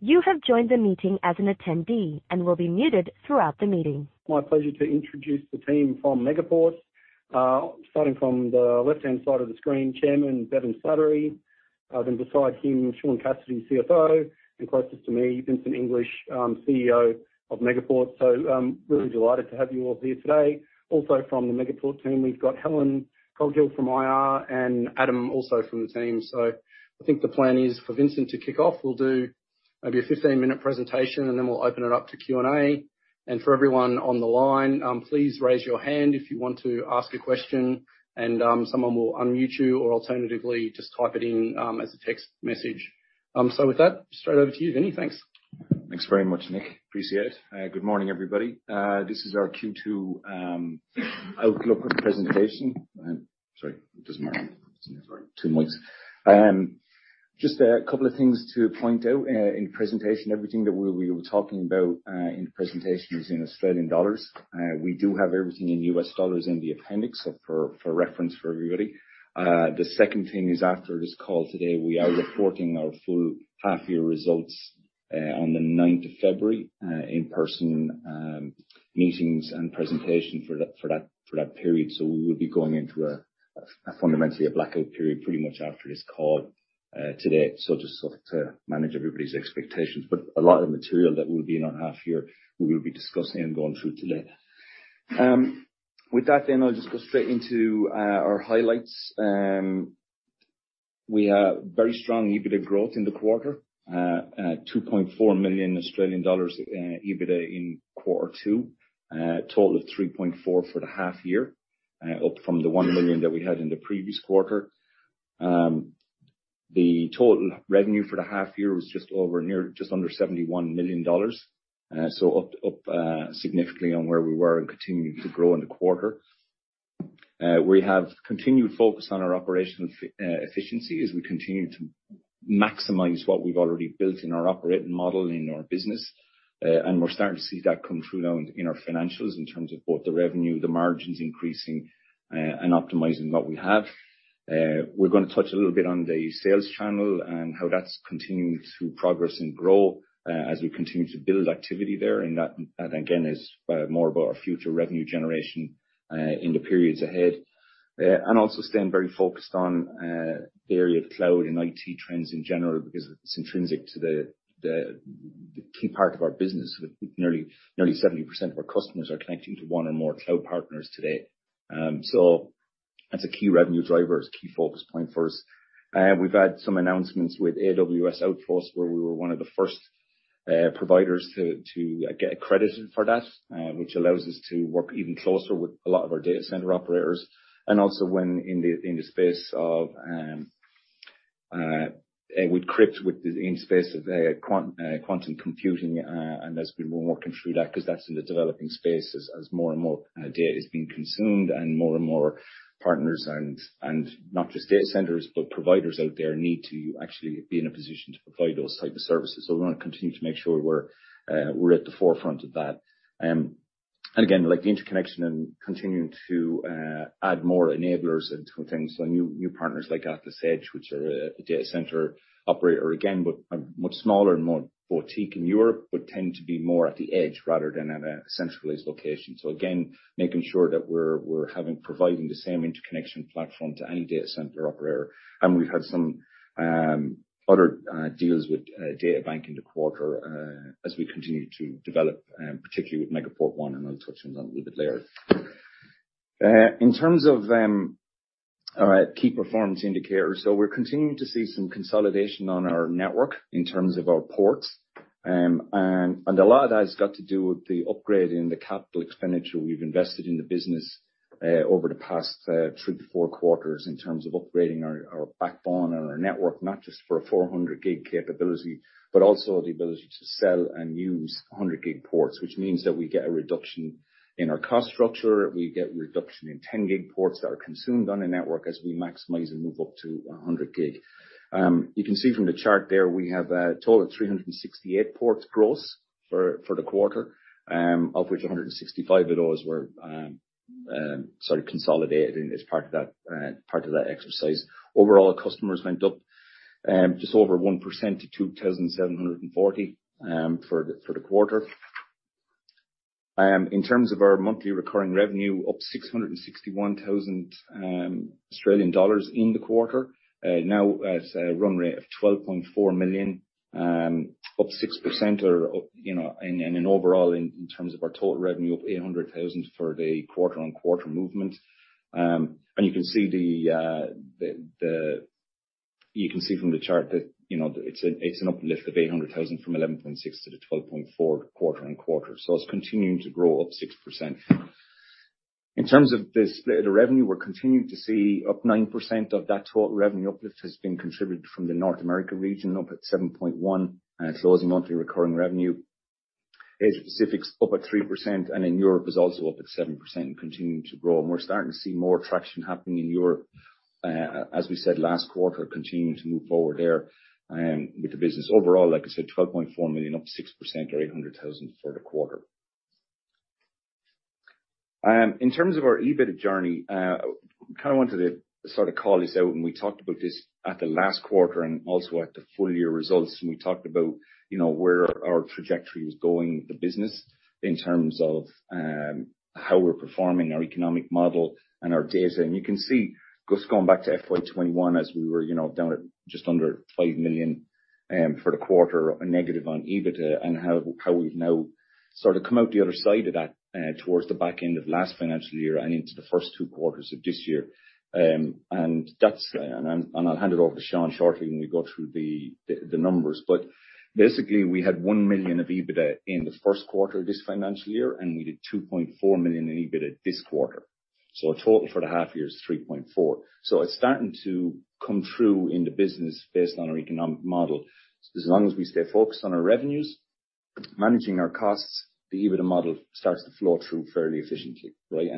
You have joined the meeting as an attendee and will be muted throughout the meeting. My pleasure to introduce the team from Megaport. Starting from the left-hand side of the screen, Chairman Bevan Slattery. Beside him, Sean Cassidy, CFO. Closest to me, Vincent English, CEO of Megaport. Really delighted to have you all here today. Also from the Megaport team, we've got Helen Coghill from IR and Adam, also from the team. I think the plan is for Vincent to kick off. We'll do maybe a 15-minute presentation, and then we'll open it up to Q&A. For everyone on the line, please raise your hand if you want to ask a question, and someone will unmute you, or alternatively, just type it in as a text message. With that, straight over to you, Vinny. Thanks. Thanks very much, Nick. Appreciate it. Good morning, everybody. This is our Q2 outlook presentation. Sorry. Just a moment. 2 mics. Just a couple of things to point out, in presentation. Everything that we will be talking about, in the presentation is in Australian dollars. We do have everything in US dollars in the appendix for reference for everybody. The second thing is, after this call today, we are reporting our full half year results on the 9th of February, in-person meetings and presentation for that period. We will be going into a fundamentally a blackout period pretty much after this call today. Just sort of to manage everybody's expectations. A lot of the material that will be in our half year, we will be discussing and going through today. With that I'll just go straight into our highlights. We have very strong EBITDA growth in the quarter. 2.4 million Australian dollars in EBITDA in quarter two. Total of 3.4 million for the half year, up from the 1 million that we had in the previous quarter. The total revenue for the half year was just under 71 million dollars. Up significantly on where we were and continuing to grow in the quarter. We have continued focus on our operational efficiency as we continue to maximize what we've already built in our operating model in our business. We're starting to see that come through now in our financials in terms of both the revenue, the margins increasing, and optimizing what we have. We're gonna touch a little bit on the sales channel and how that's continuing to progress and grow as we continue to build activity there. That again, is more of our future revenue generation in the periods ahead. Also staying very focused on the area of cloud and IT trends in general because it's intrinsic to the key part of our business, with nearly 70% of our customers are connecting to one or more cloud partners today. That's a key revenue driver, it's a key focus point for us. We've had some announcements with AWS Outposts, where we were one of the first providers to get accredited for that, which allows us to work even closer with a lot of our data center operators. Also when in the space of quantum computing, and as we're working through that, 'cause that's in the developing space as more and more data is being consumed and more and more partners and not just data centers, but providers out there need to actually be in a position to provide those type of services. We wanna continue to make sure we're at the forefront of that. Again, like the interconnection and continuing to add more enablers into things. New, new partners like AtlasEdge, which are a data center operator, again, but much smaller and more boutique in Europe, but tend to be more at the edge rather than at a centralized location. Again, making sure that we're providing the same interconnection platform to any data center operator. We've had some other deals with DataBank in the quarter, as we continue to develop, particularly with Megaport ONE, and I'll touch on that a little bit later. In terms of key performance indicators, so we're continuing to see some consolidation on our network in terms of our ports. A lot of that has got to do with the upgrade in the capital expenditure we've invested in the business over the past 3 to 4 quarters in terms of upgrading our backbone and our network, not just for a 400 Gig capability, but also the ability to sell and use 100 Gig ports, which means that we get a reduction in our cost structure, we get reduction in 10 Gig ports that are consumed on the network as we maximize and move up to 100 Gig. You can see from the chart there, we have a total of 368 ports gross for the quarter, of which 165 of those were sort of consolidated as part of that exercise. Overall, customers went up just over 1% to 2,740 for the quarter. In terms of our monthly recurring revenue, up 661,000 Australian dollars in the quarter. Now at a run rate of 12.4 million, up 6% or up, you know, overall in terms of our total revenue, up 800,000 for the quarter-over-quarter movement. You can see from the chart that, you know, it's an uplift of 800,000 from 11.6 to the 12.4 quarter-over-quarter. It's continuing to grow up 6%. In terms of the split of the revenue, we're continuing to see up 9% of that total revenue uplift has been contributed from the North America region, up at 7.1% closing monthly recurring revenue. Asia Pacific's up at 3%, and then Europe is also up at 7% and continuing to grow. We're starting to see more traction happening in Europe, as we said last quarter, continuing to move forward there, with the business. Overall, like I said, 12.4 million up 6% or 800,000 for the quarter. In terms of our EBITDA journey, I kind of wanted to sort of call this out, and we talked about this at the last quarter and also at the full year results, and we talked about, you know, where our trajectory was going with the business in terms of how we're performing, our economic model and our data. You can see just going back to FY 2021 as we were, you know, down at just under 5 million for the quarter and negative on EBITDA and how we've now sort of come out the other side of that towards the back end of last financial year and into the first two quarters of this year. And that's, and I'll hand it over to Sean shortly when we go through the numbers. Basically, we had 1 million of EBITDA in the first quarter of this financial year, and we did 2.4 million in EBITDA this quarter. Our total for the half year is 3.4 million. It's starting to come through in the business based on our economic model. As long as we stay focused on our revenues, managing our costs, the EBITDA model starts to flow through fairly efficiently, right?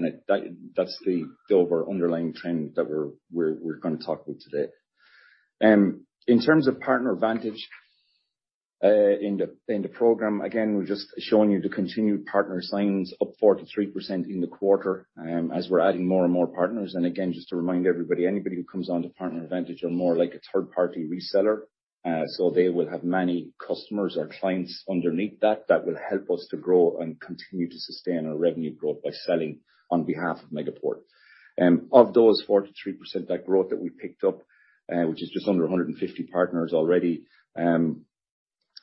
That's the overall underlying trend that we're gonna talk about today. In terms of Megaport PartnerVantage, in the program, again, we're just showing you the continued partner signs up 43% in the quarter, as we're adding more and more partners. Again, just to remind everybody, anybody who comes onto Megaport PartnerVantage are more like a third-party reseller. They will have many customers or clients underneath that will help us to grow and continue to sustain our revenue growth by selling on behalf of Megaport. Of those 43%, that growth that we picked up, which is just under 150 partners already,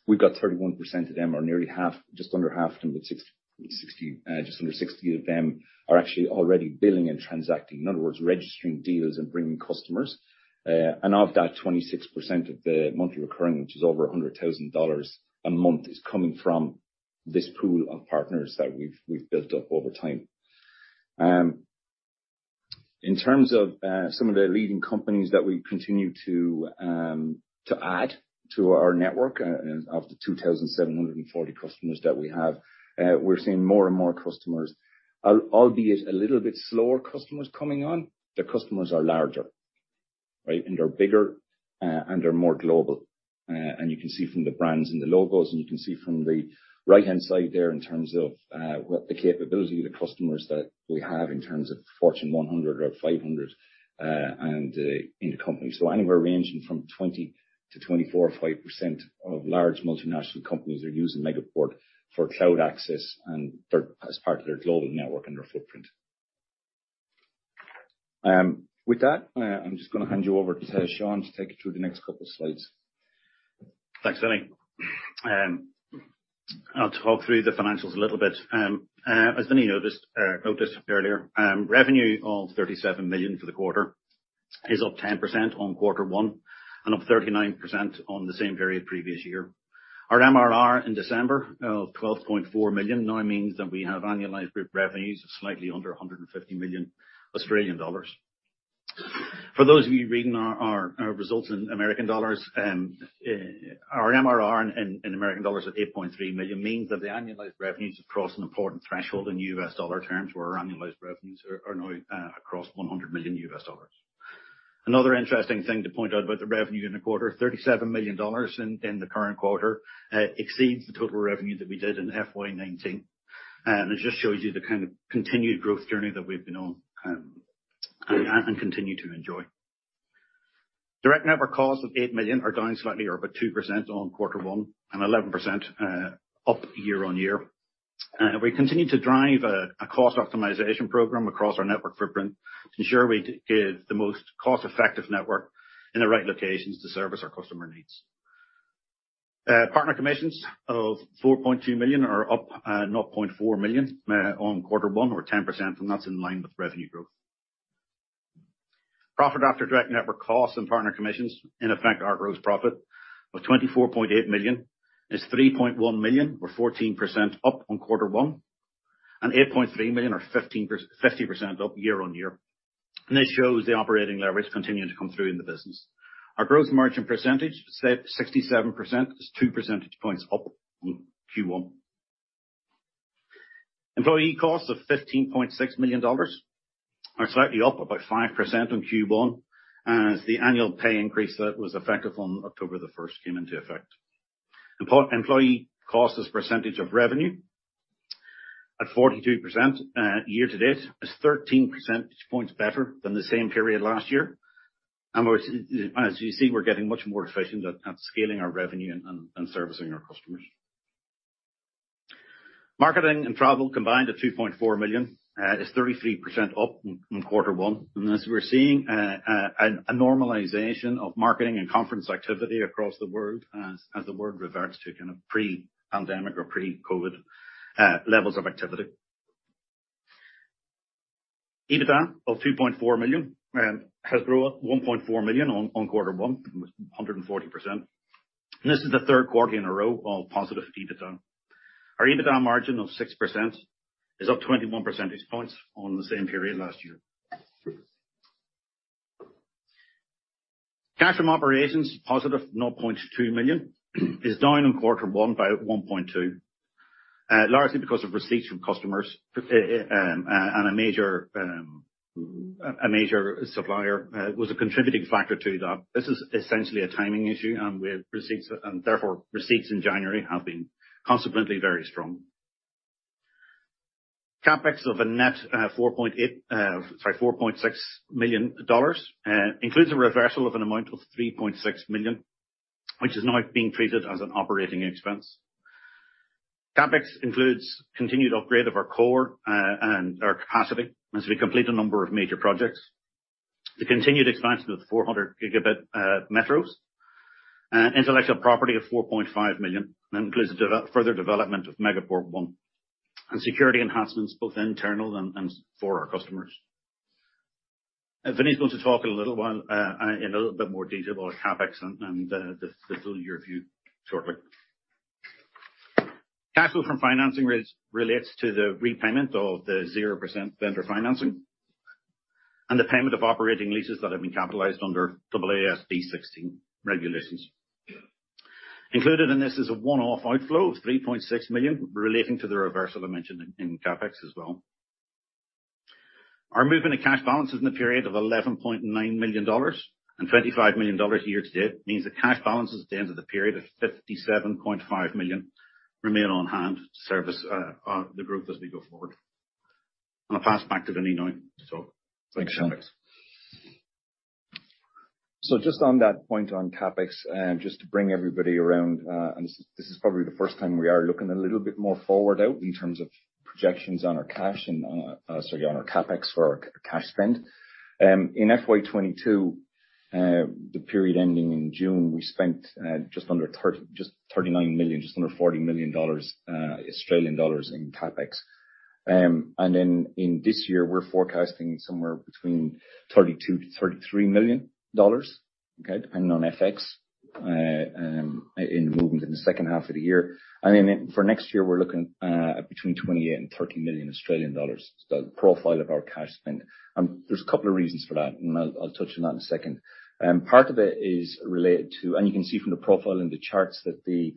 we've got 31% of them, or nearly half, just under half of them, just under 60 of them are actually already billing and transacting. In other words, registering deals and bringing customers. Of that, 26% of the monthly recurring, which is over $100,000 a month, is coming from this pool of partners that we've built up over time. In terms of some of the leading companies that we continue to add to our network, of the 2,740 customers that we have, we're seeing more and more customers, albeit a little bit slower customers coming on, the customers are larger, right? They're bigger and they're more global. You can see from the brands and the logos, and you can see from the right-hand side there in terms of what the capability of the customers that we have in terms of Fortune 100 or 500 in the company. Anywhere ranging from 20% to 24% or 25% of large multinational companies are using Megaport for cloud access and for as part of their global network and their footprint. With that, I'm just gonna hand you over to Sean to take you through the next couple of slides. Thanks, Vinnie. I'll talk through the financials a little bit. As Vinnie noticed earlier, revenue of 37 million for the quarter is up 10% on Q1 and up 39% on the same period previous year. Our MRR in December of 12.4 million now means that we have annualized revenues of slightly under 150 million Australian dollars. For those of you reading our results in U.S. dollars, our MRR in U.S. dollars at $8.3 million means that the annualized revenues have crossed an important threshold in US dollar terms, where our annualized revenues are now across $100 million. Another interesting thing to point out about the revenue in the quarter, 37 million dollars in the current quarter, exceeds the total revenue that we did in FY 2019. It just shows you the kind of continued growth journey that we've been on, and continue to enjoy. Direct network costs of 8 million are down slightly or about 2% on quarter one and 11% up year-over-year. We continue to drive a cost optimization program across our network footprint to ensure we give the most cost-effective network in the right locations to service our customer needs. Partner commissions of 4.2 million are up, 0.4 million on quarter one or 10%, and that's in line with revenue growth. Profit after direct network costs and partner commissions, in effect our gross profit of 24.8 million, is 3.1 million or 14% up on Q1 and 8.3 million or 15% up year-on-year. This shows the operating leverage continuing to come through in the business. Our gross margin percentage, 67%, is 2 percentage points up from Q1. Employee costs of 15.6 million dollars are slightly up, about 5% on Q1 as the annual pay increase that was effective on October 1 came into effect. Employee cost as percentage of revenue at 42%, year-to-date is 13 percentage points better than the same period last year. As you see, we're getting much more efficient at scaling our revenue and servicing our customers. Marketing and travel combined at 2.4 million is 33% up in quarter one. As we're seeing a normalization of marketing and conference activity across the world as the world reverts to kind of pre-pandemic or pre-COVID levels of activity. EBITDA of 2.4 million has grown 1.4 million on quarter one, 140%. This is the third quarter in a row of positive EBITDA. Our EBITDA margin of 6% is up 21 percentage points on the same period last year. Cash from operations, positive 0.2 million, is down on quarter one by 1.2 million, largely because of receipts from customers and a major supplier was a contributing factor to that. This is essentially a timing issue, and we have receipts and therefore receipts in January have been consequently very strong. CapEx of a net $4.6 million includes a reversal of an amount of $3.6 million, which is now being treated as an operating expense. CapEx includes continued upgrade of our core and our capacity as we complete a number of major projects. The continued expansion of the 400 gigabit metros, intellectual property of $4.5 million, and includes further development of Megaport ONE and security enhancements, both internal and for our customers. Vinnie's going to talk a little while in a little bit more detail about CapEx and the full year view shortly. Cash flow from financing relates to the repayment of the 0% vendor financing and the payment of operating leases that have been capitalized under AASB 16 regulations. Included in this is a one-off outflow of 3.6 million relating to the reversal I mentioned in CapEx as well. Our movement of cash balances in the period of 11.9 million dollars and 25 million dollars year to date means the cash balances at the end of the period of 57.5 million remain on hand to service the group as we go forward. I'll pass back to Vinnie now. Thanks, Sean. Just on that point on CapEx, just to bring everybody around, this is probably the first time we are looking a little bit more forward out in terms of projections on our cash and, sorry, on our CapEx for our cash spend. In FY22, the period ending in June, we spent just 39 million, just under 40 million dollars in CapEx. In this year, we're forecasting somewhere between 32 million-33 million dollars, okay, depending on FX in movement in the second half of the year. For next year, we're looking at between 28 million and 30 million Australian dollars, the profile of our cash spend. There's a couple of reasons for that, and I'll touch on that in a second. Part of it is related to. You can see from the profile in the charts that the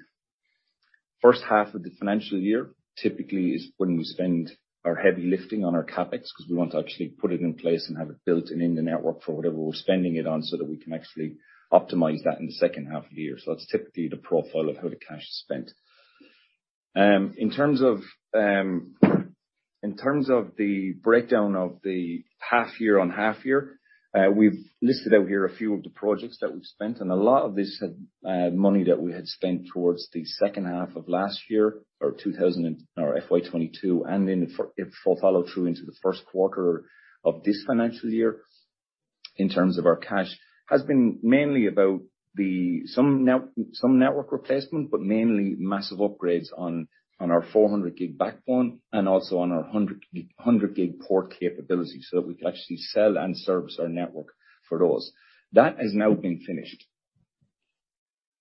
first half of the financial year typically is when we spend our heavy lifting on our CapEx 'cause we want to actually put it in place and have it built and in the network for whatever we're spending it on, so that we can actually optimize that in the second half of the year. That's typically the profile of how the cash is spent. In terms of, in terms of the breakdown of the half year on half year, we've listed out here a few of the projects that we've spent. A lot of this money that we had spent towards the second half of last year or 2000 or FY 2022 and then it follow through into the first quarter of this financial year in terms of our cash, has been mainly about some network replacement, but mainly massive upgrades on our 400 Gig backbone and also on our 100 Gig port capability, so that we can actually sell and service our network for those. That has now been finished.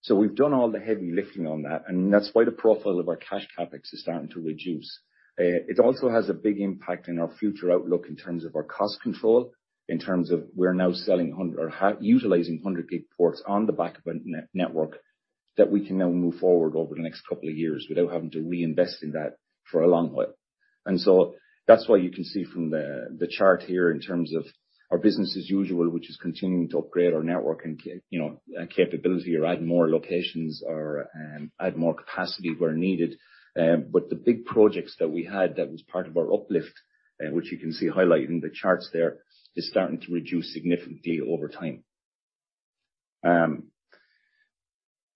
We've done all the heavy lifting on that, and that's why the profile of our cash CapEx is starting to reduce. It also has a big impact in our future outlook in terms of our cost control, in terms of we're now utilizing 100 Gig ports on the back of a network that we can now move forward over the next couple of years without having to reinvest in that for a long while. That's why you can see from the chart here in terms of our business as usual, which is continuing to upgrade our network and you know, capability or add more locations or add more capacity where needed. The big projects that we had that was part of our uplift, which you can see highlighted in the charts there, is starting to reduce significantly over time.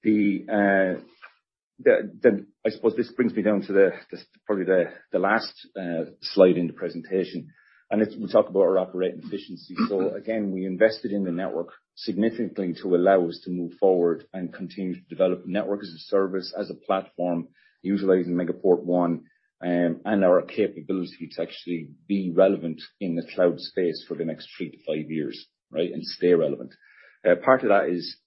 I suppose this brings me down to the last slide in the presentation, and it's when we talk about our operating efficiency. Again, we invested in the network significantly to allow us to move forward and continue to develop Network as a Service, as a platform, utilizing Megaport ONE, and our capability to actually be relevant in the cloud space for the next 3 to 5 years, right? Stay relevant. Part of that is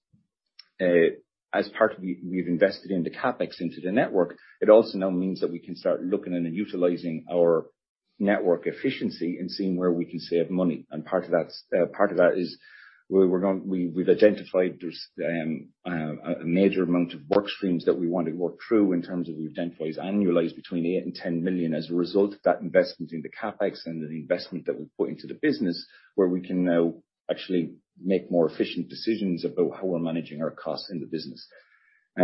as part of we've invested in the CapEx into the network, it also now means that we can start looking in and utilizing our network efficiency and seeing where we can save money. Part of that is we've identified there's a major amount of work streams that we want to work through in terms of we've identified as annualized between 8 million and 10 million as a result of that investment in the CapEx and the investment that we've put into the business, where we can now actually make more efficient decisions about how we're managing our costs in the business. A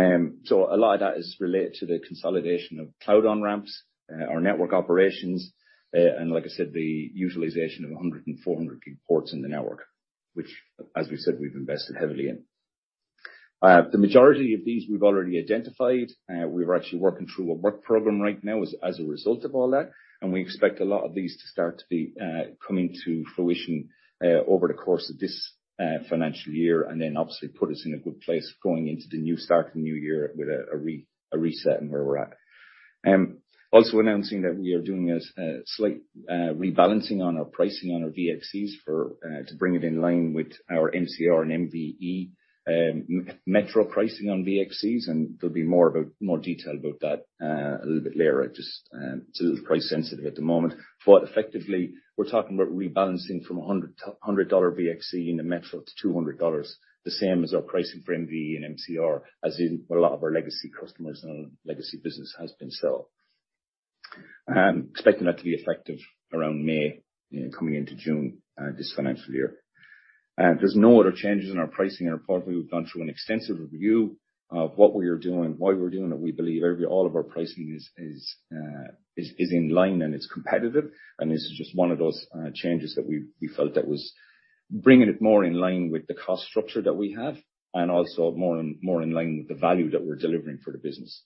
lot of that is related to the consolidation of cloud on-ramps, our network operations, and like I said, the utilization of 100 Gig and 400 Gig ports in the network, which as we said, we've invested heavily in. The majority of these we've already identified. We're actually working through a work program right now as a result of all that, and we expect a lot of these to start to be coming to fruition over the course of this financial year, and then obviously put us in a good place going into the new start of the new year with a reset in where we're at. Also announcing that we are doing a slight rebalancing on our pricing on our VXCs for to bring it in line with our MCR and MVE metro pricing on VXCs, and there'll be more detail about that a little bit later. I just, it's a little price sensitive at the moment. Effectively, we're talking about rebalancing from a 100 dollar VXC in the metro to 200 dollars, the same as our pricing for MVE and MCR, as in a lot of our legacy customers and legacy business has been so. Expecting that to be effective around May, coming into June, this financial year. There's no other changes in our pricing or product. We've gone through an extensive review of what we are doing, why we're doing it. We believe all of our pricing is in line, and it's competitive. This is just one of those changes that we felt that was bringing it more in line with the cost structure that we have and also more in line with the value that we're delivering for the business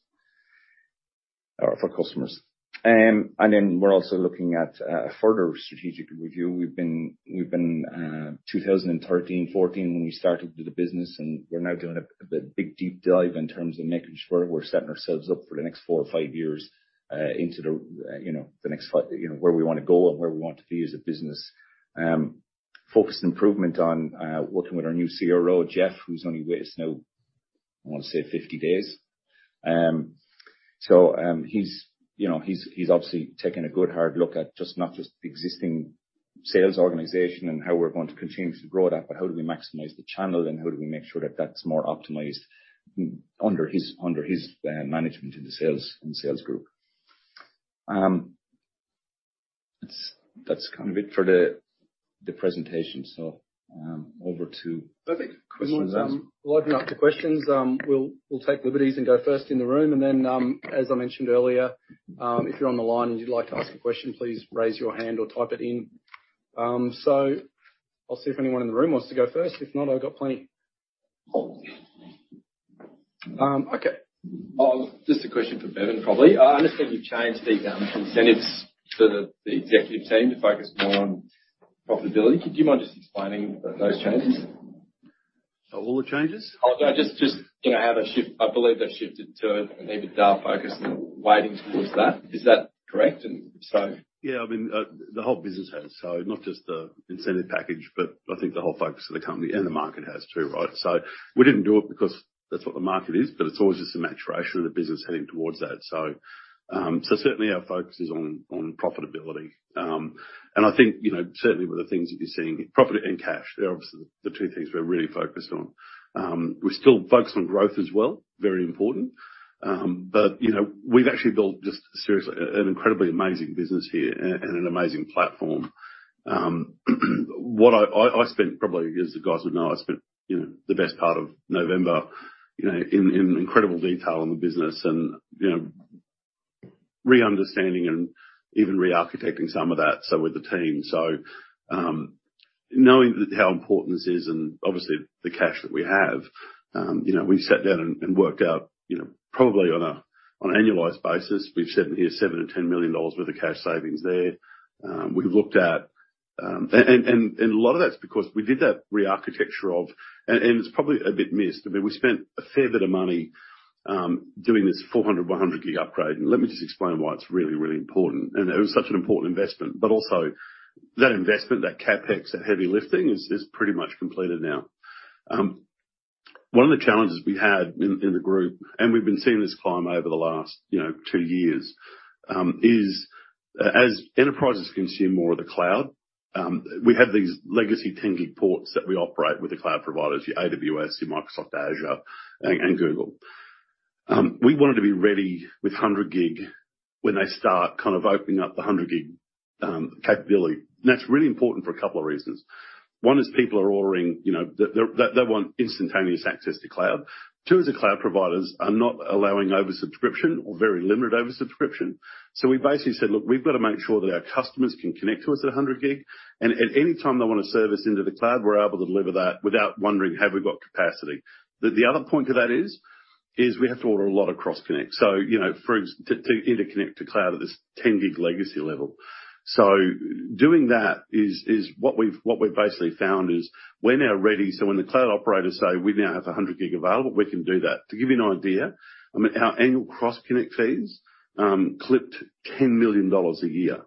or for customers. Then we're also looking at a further strategic review. We've been 2013, 2014, when we started the business, and we're now doing a, the big deep dive in terms of making sure we're setting ourselves up for the next 4 or 5 years into the, you know, the next 5, you know, where we wanna go and where we want to be as a business. Focused improvement on working with our new CRO, Jeff, who's only with us now, I want to say 50 days. He's, you know he's obviously taking a good hard look at just not just the existing sales organization and how we're going to continue to grow that. How do we maximize the channel and how do we make sure that that's more optimized under his management in the sales group. That's kind of it for the presentation. Over to questions. Perfect. We'll open up to questions. We'll take liberties and go first in the room, and then, as I mentioned earlier, if you're on the line and you'd like to ask a question, please raise your hand or type it in. I'll see if anyone in the room wants to go first. If not, I've got plenty. Okay. Just a question for Bevan, probably. I understand you've changed the incentives for the executive team to focus more on profitability. Could you mind just explaining those changes? All the changes? Oh, no, just, you know, how they shift. I believe they've shifted to an EBITDA focus and weighting towards that. Is that correct? I mean, the whole business has, not just the incentive package, but I think the whole focus of the company and the market has too, right? We didn't do it because that's what the market is, but it's always just a maturation of the business heading towards that. Certainly our focus is on profitability. I think, you know, certainly with the things that you're seeing, profit and cash, they're obviously the two things we're really focused on. We're still focused on growth as well, very important. You know, we've actually built just seriously an incredibly amazing business here and an amazing platform. What I spent probably, as the guys would know, I spent, you know, the best part of November, you know, in incredible detail on the business and, you know, re-understanding and even re-architecting some of that, so with the team. Knowing how important this is and obviously the cash that we have, you know, we sat down and worked out, you know, probably on a, on annualized basis, we've said here 7 million-10 million dollars worth of cash savings there. We've looked at, and a lot of that's because we did that re-architecture of. It's probably a bit missed. I mean, we spent a fair bit of money doing this 400 Gig, 100 Gig upgrade. Let me just explain why it's really, really important. It was such an important investment, but also that investment, that CapEx, that heavy lifting is pretty much completed now. One of the challenges we had in the group, and we've been seeing this climb over the last, you know, 2 years, as enterprises consume more of the cloud, we have these legacy 10 Gig ports that we operate with the cloud providers, your AWS, your Microsoft Azure and Google. We wanted to be ready with 100 Gig when they start kind of opening up the 100 Gig capability. That's really important for a couple of reasons. One is people are ordering, you know, they want instantaneous access to cloud. Two is the cloud providers are not allowing oversubscription or very limited oversubscription. We basically said, "Look, we've got to make sure that our customers can connect to us at a 100 Gig. At any time they want to service into the cloud, we're able to deliver that without wondering, have we got capacity?" The other point to that is we have to order a lot of cross-connect. you know, to interconnect to cloud at this 10 Gig legacy level. Doing that is what we've basically found is we're now ready. When the cloud operators say, we now have a 100 Gig available, we can do that. To give you an idea, I mean, our annual cross-connect fees clipped $10 million a year,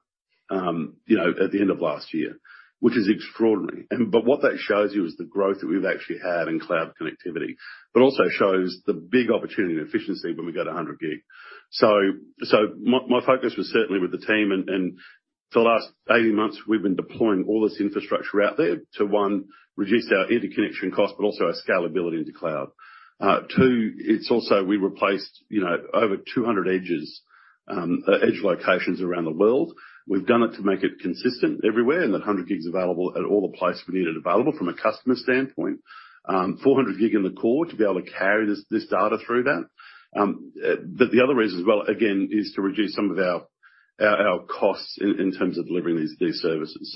you know, at the end of last year, which is extraordinary. What that shows you is the growth that we've actually had in Cloud connectivity. Also shows the big opportunity and efficiency when we go to 100 Gig. My focus was certainly with the team and for the last 18 months, we've been deploying all this infrastructure out there to, one, reduce our interconnection cost, but also our scalability into Cloud. Two, it's also we replaced, you know, over 200 edges, edge locations around the world. We've done it to make it consistent everywhere, and that 100 Gig is available at all the places we need it available from a customer standpoint. 400 Gig in the core to be able to carry this data through that. The other reason as well, again, is to reduce some of our costs in terms of delivering these services.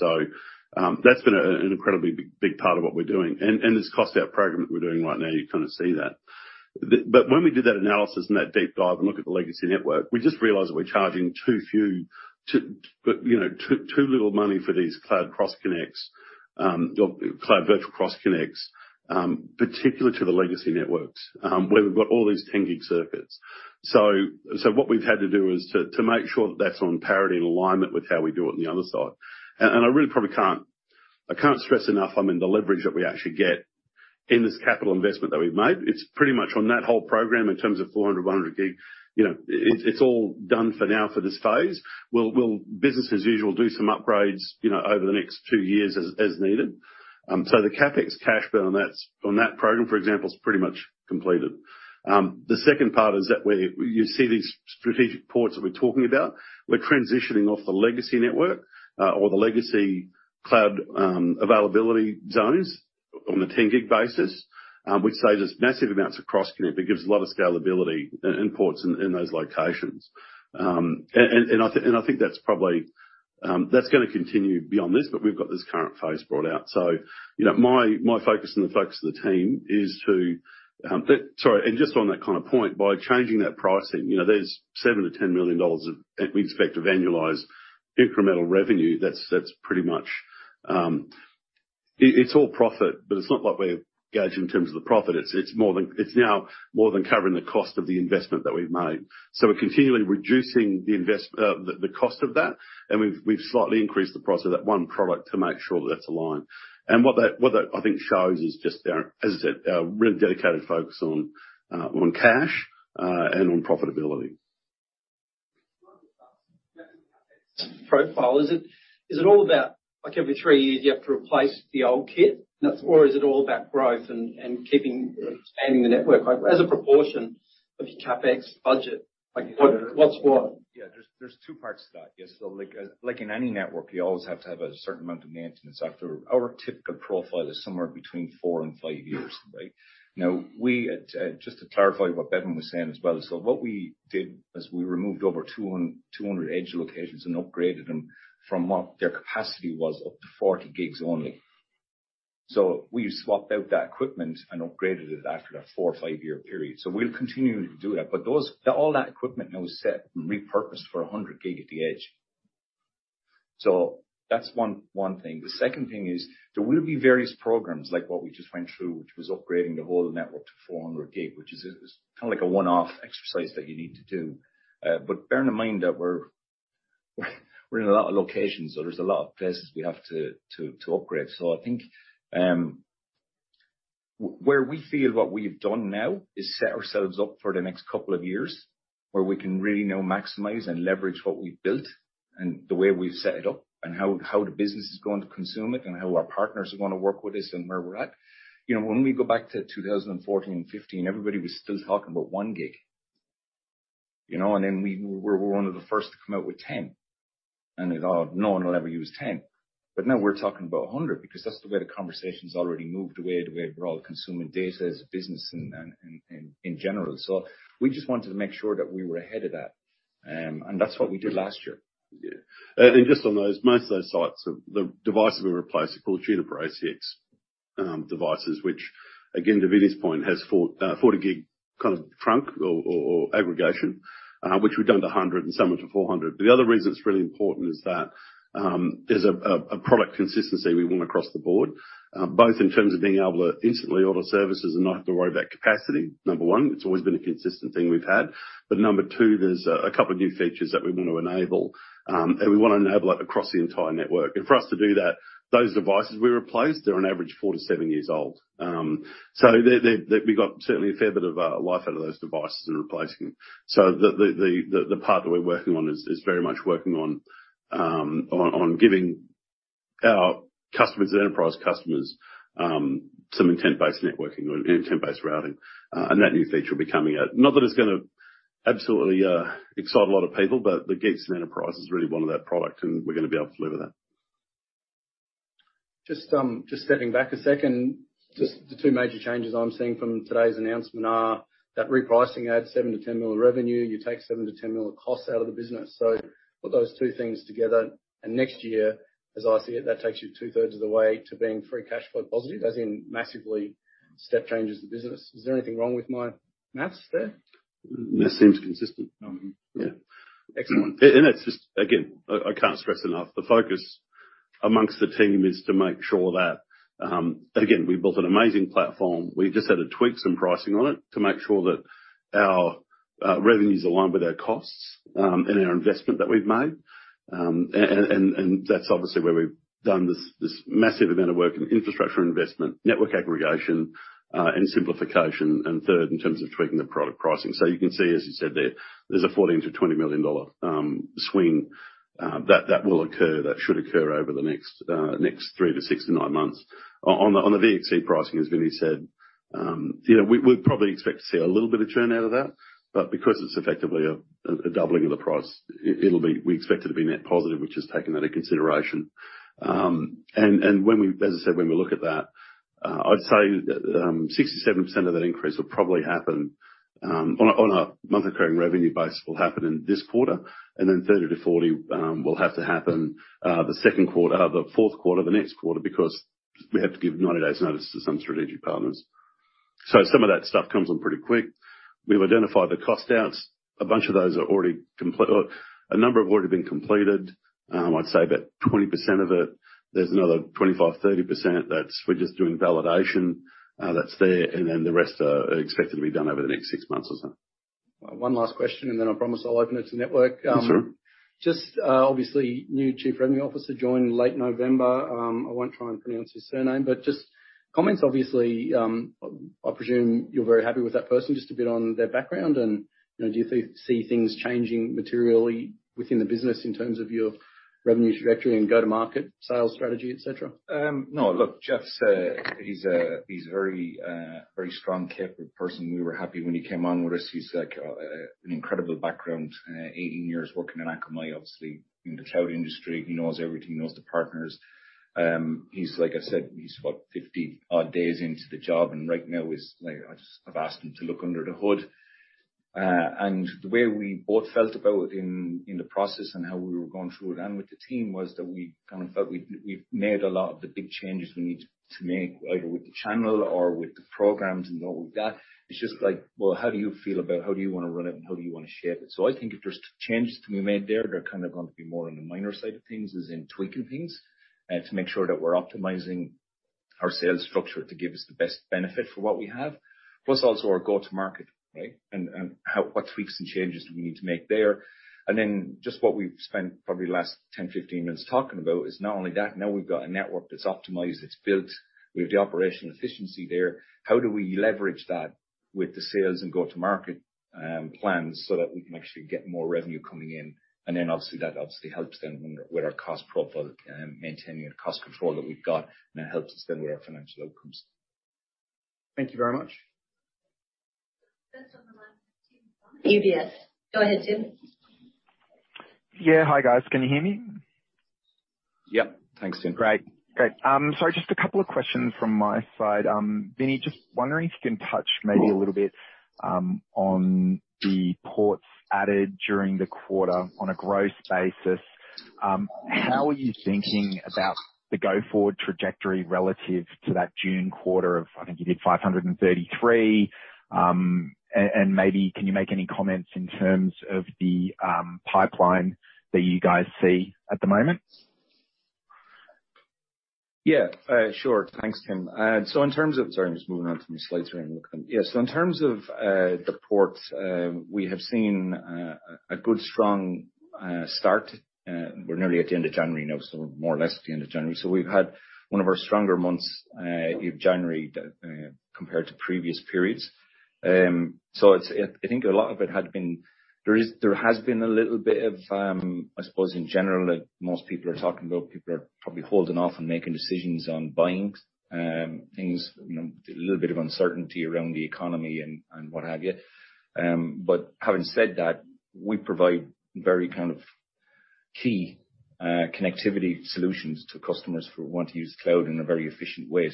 That's been an incredibly big part of what we're doing. This cost out program that we're doing right now, you kind of see that. But when we did that analysis and that deep dive and look at the legacy network, we just realized that we're charging too little money for these Cloud cross-connects, or Cloud virtual cross-connects, particular to the legacy networks, where we've got all these 10 Gig circuits. What we've had to do is to make sure that's on parity and alignment with how we do it on the other side. I really probably can't, I can't stress enough, I mean, the leverage that we actually get in this capital investment that we've made, it's pretty much on that whole program in terms of 400, 100 Gig. You know, it's all done for now for this phase. We'll business as usual do some upgrades, you know, over the next two years as needed. The CapEx cash burn on that program, for example, is pretty much completed. The second part is that where you see these strategic ports that we're talking about, we're transitioning off the legacy network, or the legacy cloud availability zones on the 10 Gig basis, which saves us massive amounts of cross-connect, but gives a lot of scalability and ports in those locations. I think, and I think that's probably that's gonna continue beyond this, but we've got this current phase brought out. You know, my focus and the focus of the team is to, sorry. Just on that kind of point, by changing that pricing, you know, there's 7 million-10 million dollars of we expect to annualize incremental revenue. That's pretty much all profit, but it's not like we're gauged in terms of the profit. It's now more than covering the cost of the investment that we've made. We're continually reducing the cost of that, and we've slightly increased the price of that one product to make sure that's aligned. What that I think shows is just our, as I said, our really dedicated focus on cash, and on profitability. Profile, is it all about like every three years you have to replace the old kit? Or is it all about growth and keeping, expanding the network? Like, as a proportion of your CapEx budget, like what's what? There's two parts to that. Yes. Like in any network, you always have to have a certain amount of maintenance after. Our typical profile is somewhere between four and five years, right? Now we, just to clarify what Bevan was saying as well. What we did is we removed over 200 edge locations and upgraded them from what their capacity was up to 40 Gig only. We swapped out that equipment and upgraded it after that four or five-year period. We'll continue to do that. But all that equipment now is set and repurposed for 100 Gig at the edge. That's one thing. The second thing is there will be various programs like what we just went through, which was upgrading the whole network to 400 Gig, which is kinda like a one-off exercise that you need to do. Bearing in mind that we're in a lot of locations, so there's a lot of places we have to upgrade. I think where we feel what we've done now is set ourselves up for the next couple of years, where we can really now maximize and leverage what we've built and the way we've set it up and how the business is going to consume it and how our partners are gonna work with us and where we're at. You know, when we go back to 2014 and 2015, everybody was still talking about 1 Gig, you know. We're one of the first to come out with 10. No one will ever use 10. Now we're talking about 100 because that's the way the conversation's already moved, the way we're all consuming data as a business and in general. We just wanted to make sure that we were ahead of that. And that's what we did last year. Just on those, most of those sites, the devices we replaced are called Juniper ACX devices, which again, to Vinnie's point, has 40 Gig kinda trunk or aggregation, which we've done to 100 Gig and some up to 400 Gig. The other reason it's really important is that, there's a product consistency we want across the board, both in terms of being able to instantly order services and not have to worry about capacity, number one. It's always been a consistent thing we've had. Number two, there's a couple of new features that we want to enable, and we wanna enable it across the entire network. For us to do that, those devices we replaced, they're on average four to seven years old. they. We got certainly a fair bit of life out of those devices in replacing. The part that we're working on is very much working on giving our customers, enterprise customers, some Intent-Based Networking or Intent-Based Routing. That new feature will be coming out. Not that it's gonna absolutely excite a lot of people, the gates and enterprise has really wanted that product, we're gonna be able to deliver that. Just, just stepping back a second. Just the two major changes I'm seeing from today's announcement are that repricing adds $7 million to $10 million revenue. You take $7 million to $10 million costs out of the business. Put those two things together, and next year, as I see it, that takes you two-thirds of the way to being free cash flow positive, as in massively step changes the business. Is there anything wrong with my math there? That seems consistent. Excellent. It's just, again, I can't stress enough, the focus amongst the team is to make sure that, again, we built an amazing platform. We just had to tweak some pricing on it to make sure that our revenue is aligned with our costs, and our investment that we've made. And that's obviously where we've done this massive amount of work in infrastructure investment, network aggregation, and simplification, and third, in terms of tweaking the product pricing. You can see, as you said there's a $14 million-$20 million swing that will occur. That should occur over the next 3-6-9 months. On the VXC pricing, as Vinnie said, you know, we probably expect to see a little bit of churn out of that, but because it's effectively a doubling of the price, we expect it to be net positive, which has taken that into consideration. As I said, when we look at that, I'd say 67% of that increase will probably happen on a monthly recurring revenue base will happen in this quarter, and then 30%-40% will have to happen the second quarter, the fourth quarter, the next quarter, because we have to give 90 days notice to some strategic partners. Some of that stuff comes in pretty quick. We've identified the cost outs. A number have already been completed. I'd say about 20% of it. There's another 25%, 30% that's we're just doing validation that's there, and then the rest are expected to be done over the next 6 months or so. One last question and then I promise I'll open it to network. Yes, sir. Obviously new chief revenue officer joined late November. I won't try and pronounce his surname, just comments obviously, I presume you're very happy with that person, just a bit on their background and, you know, do you see things changing materially within the business in terms of your revenue trajectory and go-to-market sales strategy, et cetera? No. Look, Jeff's, he's very, very strong capable person. We were happy when he came on with us. He's like, an incredible background, 18 years working in Akamai, obviously in the cloud industry. He knows everything, knows the partners. He's like I said, he's what? 50 odd days into the job, and right now is like I've asked him to look under the hood. The way we both felt about in the process and how we were going through it and with the team was that we kind of felt we've made a lot of the big changes we need to make, either with the channel or with the programs and all with that. It's just like, well, how do you feel about how do you wanna run it and how do you wanna shape it? I think if there's changes to be made there, they're kinda gonna be more on the minor side of things as in tweaking things to make sure that we're optimizing our sales structure to give us the best benefit for what we have, plus also our go to market, right? What tweaks and changes do we need to make there. Just what we've spent probably the last 10, 15 minutes talking about is not only that, now we've got a network that's optimized, it's built, we have the operational efficiency there. How do we leverage that with the sales and go to market plans so that we can actually get more revenue coming in? Obviously that obviously helps then with our, with our cost profile and maintaining a cost control that we've got, and it helps us then with our financial outcomes. Thank you very much. Next on the line, Tim from UBS. Go ahead, Tim. Hi, guys. Can you hear me? Yep. Thanks, Tim. Great. Okay, sorry, just a couple of questions from my side. Vinnie, just wondering if you can touch. Sure. a little bit on the ports added during the quarter on a growth basis. How are you thinking about the go-forward trajectory relative to that June quarter of, I think you did 533? Maybe can you make any comments in terms of the pipeline that you guys see at the moment? Sure. Thanks, Tim. Sorry, I'm just moving on to my slides here and look at them. In terms of the ports, we have seen a good strong start. We're nearly at the end of January now, so more or less at the end of January. We've had one of our stronger months in January compared to previous periods. There has been a little bit of, I suppose in general that most people are talking about people are probably holding off on making decisions on buying things, you know, a little bit of uncertainty around the economy and what have you. Having said that, we provide very kind of key connectivity solutions to customers who want to use cloud in a very efficient way.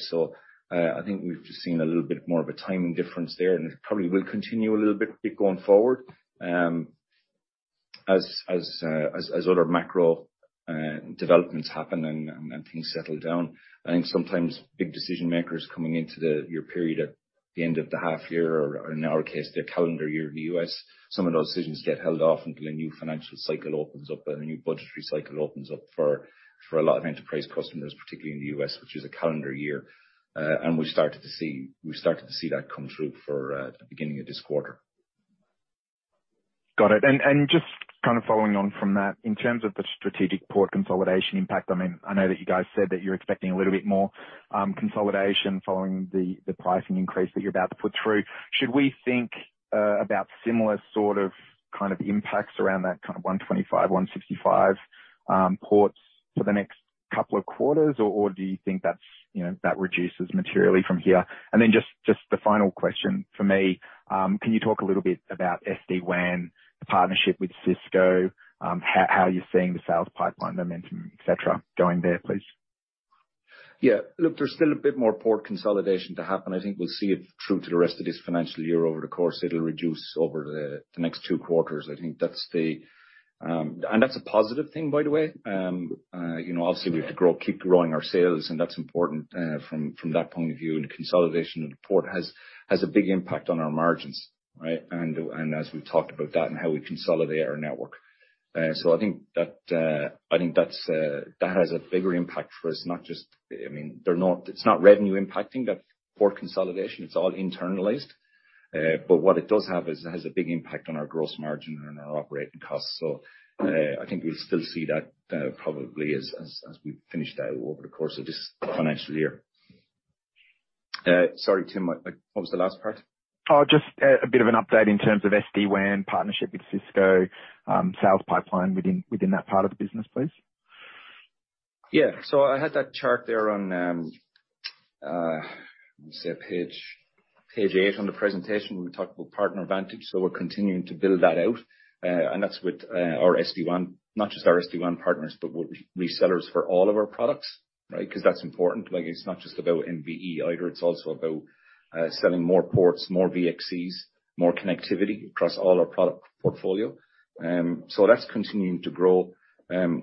I think we've just seen a little bit more of a timing difference there, and it probably will continue a little bit going forward, as other macro developments happen and things settle down. I think sometimes big decision makers coming into your period at the end of the half year or in our case, their calendar year in the U.S., some of those decisions get held off until a new financial cycle opens up and a new budgetary cycle opens up for a lot of enterprise customers, particularly in the U.S., which is a calendar year. We started to see that come through for the beginning of this quarter. Got it. Just kind of following on from that, in terms of the strategic port consolidation impact, I mean, I know that you guys said that you're expecting a little bit more consolidation following the pricing increase that you're about to put through. Should we think about similar sort of kind of impacts around that kind of 125, 165 ports for the next couple of quarters? Or do you think that's, you know, that reduces materially from here? Then just the final question from me, can you talk a little bit about SD-WAN, the partnership with Cisco, how you're seeing the sales pipeline momentum, et cetera, going there, please? Look, there's still a bit more port consolidation to happen. I think we'll see it through to the rest of this financial year over the course. It'll reduce over the next 2 quarters. I think that's the. That's a positive thing, by the way. you know, obviously we have to grow, keep growing our sales, and that's important from that point of view. The consolidation of the port has a big impact on our margins, right? as we've talked about that and how we consolidate our network. I think that I think that's that has a bigger impact for us, not just, I mean, it's not revenue impacting, that port consolidation. It's all internalized. What it does have is it has a big impact on our gross margin and our operating costs. I think we'll still see that, probably as we finish that over the course of this financial year. Sorry, Tim, what was the last part? Just a bit of an update in terms of SD-WAN partnership with Cisco, sales pipeline within that part of the business, please. I had that chart there on, let me say page 8 on the presentation where we talked about Megaport PartnerVantage. We're continuing to build that out. That's with our SD-WAN, not just our SD-WAN partners, but with resellers for all of our products, right? 'Cause that's important. Like, it's not just about MVE either. It's also about selling more ports, more VXCs, more connectivity across all our product portfolio. That's continuing to grow.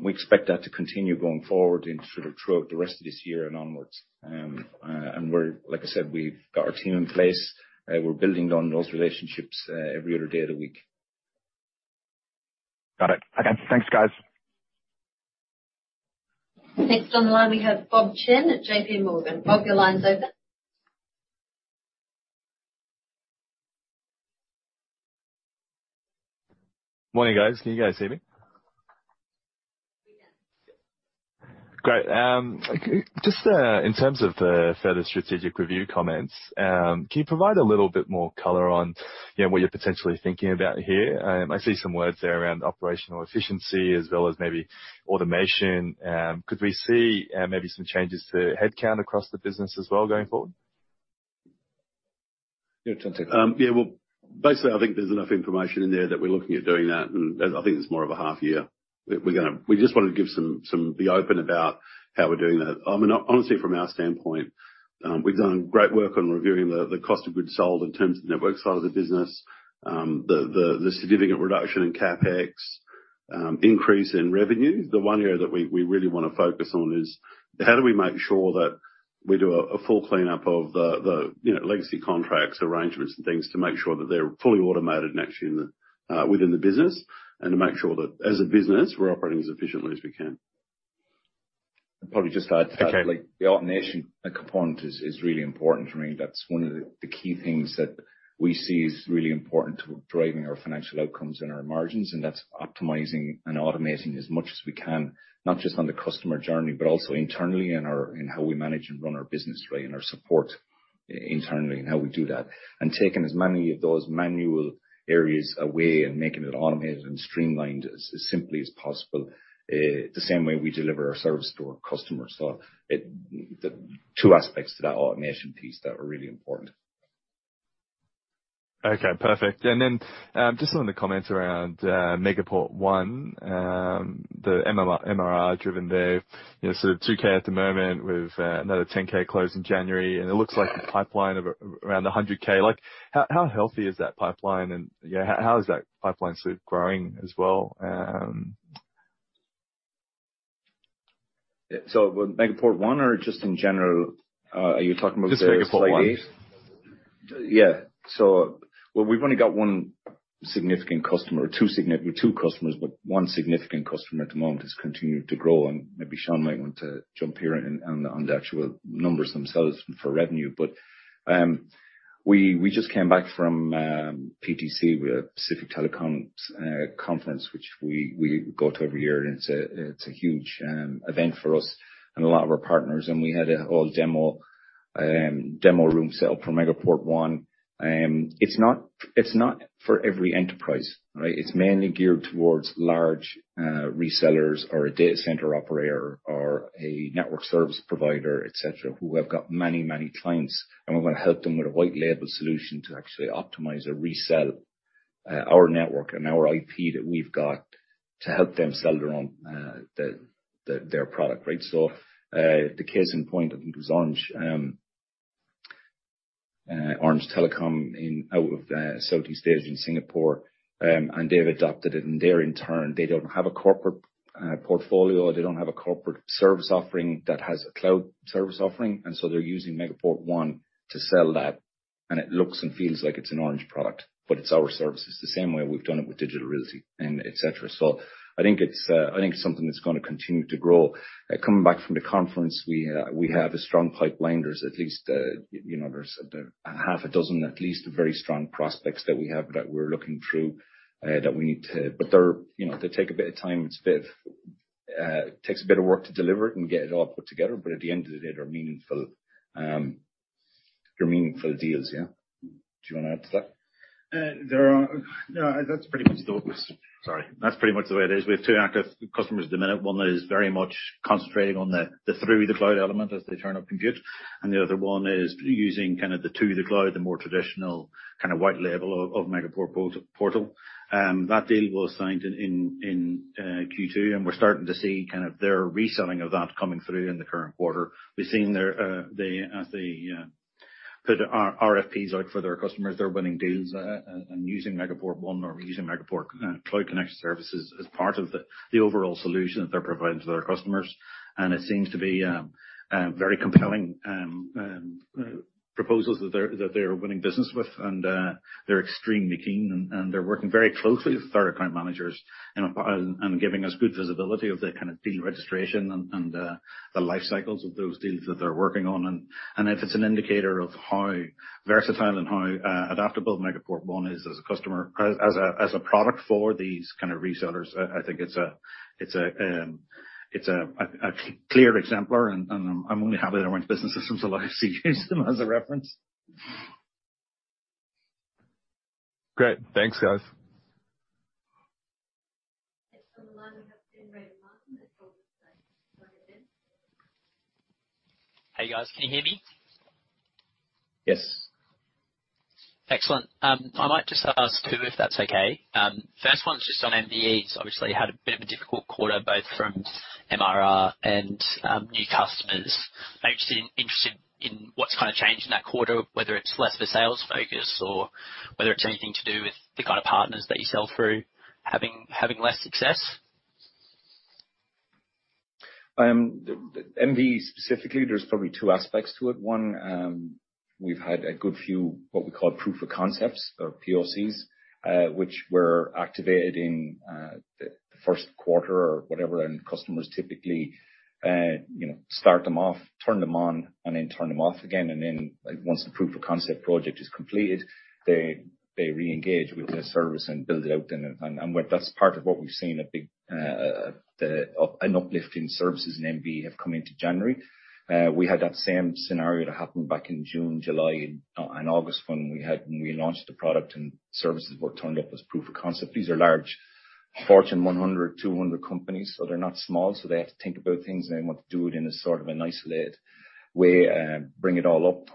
We expect that to continue going forward and sort of throughout the rest of this year and onwards. We're, like I said, we've got our team in place. We're building on those relationships every other day of the week. Got it. Okay. Thanks, guys. Next on the line, we have Bob Chen at J.P. Morgan. Bob, your line's open. Morning, guys. Can you guys hear me? We can. Great. Just in terms of the further strategic review comments, can you provide a little bit more color on, you know, what you're potentially thinking about here? I see some words there around operational efficiency as well as maybe automation. Could we see maybe some changes to headcount across the business as well going forward? Well, basically, I think there's enough information in there that we're looking at doing that, and I think it's more of a half year. We just wanted to give some, be open about how we're doing that. I mean, honestly, from our standpoint, we've done great work on reviewing the cost of goods sold in terms of network side of the business. The significant reduction in CapEx, increase in revenue. The one area that we really wanna focus on is how do we make sure that we do a full cleanup of the, you know, legacy contracts, arrangements and things to make sure that they're fully automated and actually within the business, and to make sure that as a business, we're operating as efficiently as we can. Probably just add to that. The automation component is really important for me. That's one of the key things that we see is really important to driving our financial outcomes and our margins, and that's optimizing and automating as much as we can, not just on the customer journey, but also internally in how we manage and run our business, right, and our support internally and how we do that. Taking as many of those manual areas away and making it automated and streamlined as simply as possible, the same way we deliver our service to our customers. The two aspects to that automation piece that are really important. Okay, perfect. Just on the comments around Megaport ONE, the MRR driven there. You know, sort of 2K at the moment with another 10K close in January. It looks like the pipeline of around 100K. Like how healthy is that pipeline and, how is that pipeline sort of growing as well? Megaport One or just in general? Are you talking about? Just Megaport ONE. Well, we've only got one significant customer or two customers, but one significant customer at the moment has continued to grow, and maybe Sean might want to jump here on the actual numbers themselves for revenue. We, we just came back from PTC, Pacific Telecom Conference, which we go to every year, and it's a, it's a huge event for us and a lot of our partners, and we had a whole demo demo room set up for Megaport ONE. It's not, it's not for every enterprise, right? It's mainly geared towards large resellers or a data center operator or a network service provider, et cetera, who have got many, many clients, and we want to help them with a white label solution to actually optimize or resell our network and our IP that we've got to help them sell their own their product, right? The case in point, I think it was Orange Telecom in out of Southeast Asia in Singapore, they've adopted it, they in turn, they don't have a corporate portfolio, they don't have a corporate service offering that has a cloud service offering, they're using Megaport ONE to sell that. It looks and feels like it's an Orange product, it's our services, the same way we've done it with Digital Realty and et cetera. I think it's, I think it's something that's gonna continue to grow. Coming back from the conference, we have a strong pipeline. There's at least, you know, there's half a dozen at least, very strong prospects that we have that we're looking through, that we need to. They're, you know, they take a bit of time. It's a bit, takes a bit of work to deliver it and get it all put together, but at the end of the day, they're meaningful, they're meaningful deals. Do you wanna add to that? That's pretty much the way it is. Sorry. That's pretty much the way it is. We have 2 active customers at the minute. One that is very much concentrating on the through the cloud element as they turn up compute, and the other one is using kind of the to the cloud, the more traditional kind of white label of Megaport portal. That deal was signed in Q2. We're starting to see kind of their reselling of that coming through in the current quarter. We're seeing their as they put RFPs out for their customers, they're winning deals and using Megaport ONE or using Megaport Cloud Connection Services as part of the overall solution that they're providing to their customers. It seems to be very compelling proposals that they're winning business with. They're extremely keen and they're working very closely with our account managers and giving us good visibility of the kind of deal registration and the life cycles of those deals that they're working on. If it's an indicator of how versatile and how adaptable Megaport ONE is as a product for these kind of resellers, I think it's a clear exemplar and I'm only happy that Orange Business allow us to use them as a reference. Great. Thanks, guys. Next on the line, we have Ben Read-Martin at Goldman Sachs. Go ahead, Ben. Hey, guys. Can you hear me? Yes. Excellent. I might just ask 2, if that's okay. First one's just on MVEs, obviously had a bit of a difficult quarter, both from MRR and new customers. I'm just interested in what's kinda changed in that quarter, whether it's less of a sales focus or whether it's anything to do with the kind of partners that you sell through having less success. MVE specifically, there's probably two aspects to it. One, We've had a good few, what we call proof of concepts or POCs, which were activated in the first quarter or whatever, and customers typically, you know, start them off, turn them on, and then turn them off again. Once the proof of concept project is completed, they re-engage with the service and build it out. Where that's part of what we've seen a big, an uplift in services in MVE have come into January. We had that same scenario that happened back in June, July, and August when we launched the product and services were turned up as proof of concept. These are large Fortune 100, 200 companies, so they're not small, so they have to think about things, and they want to do it in a sort of an isolated way and bring it all up.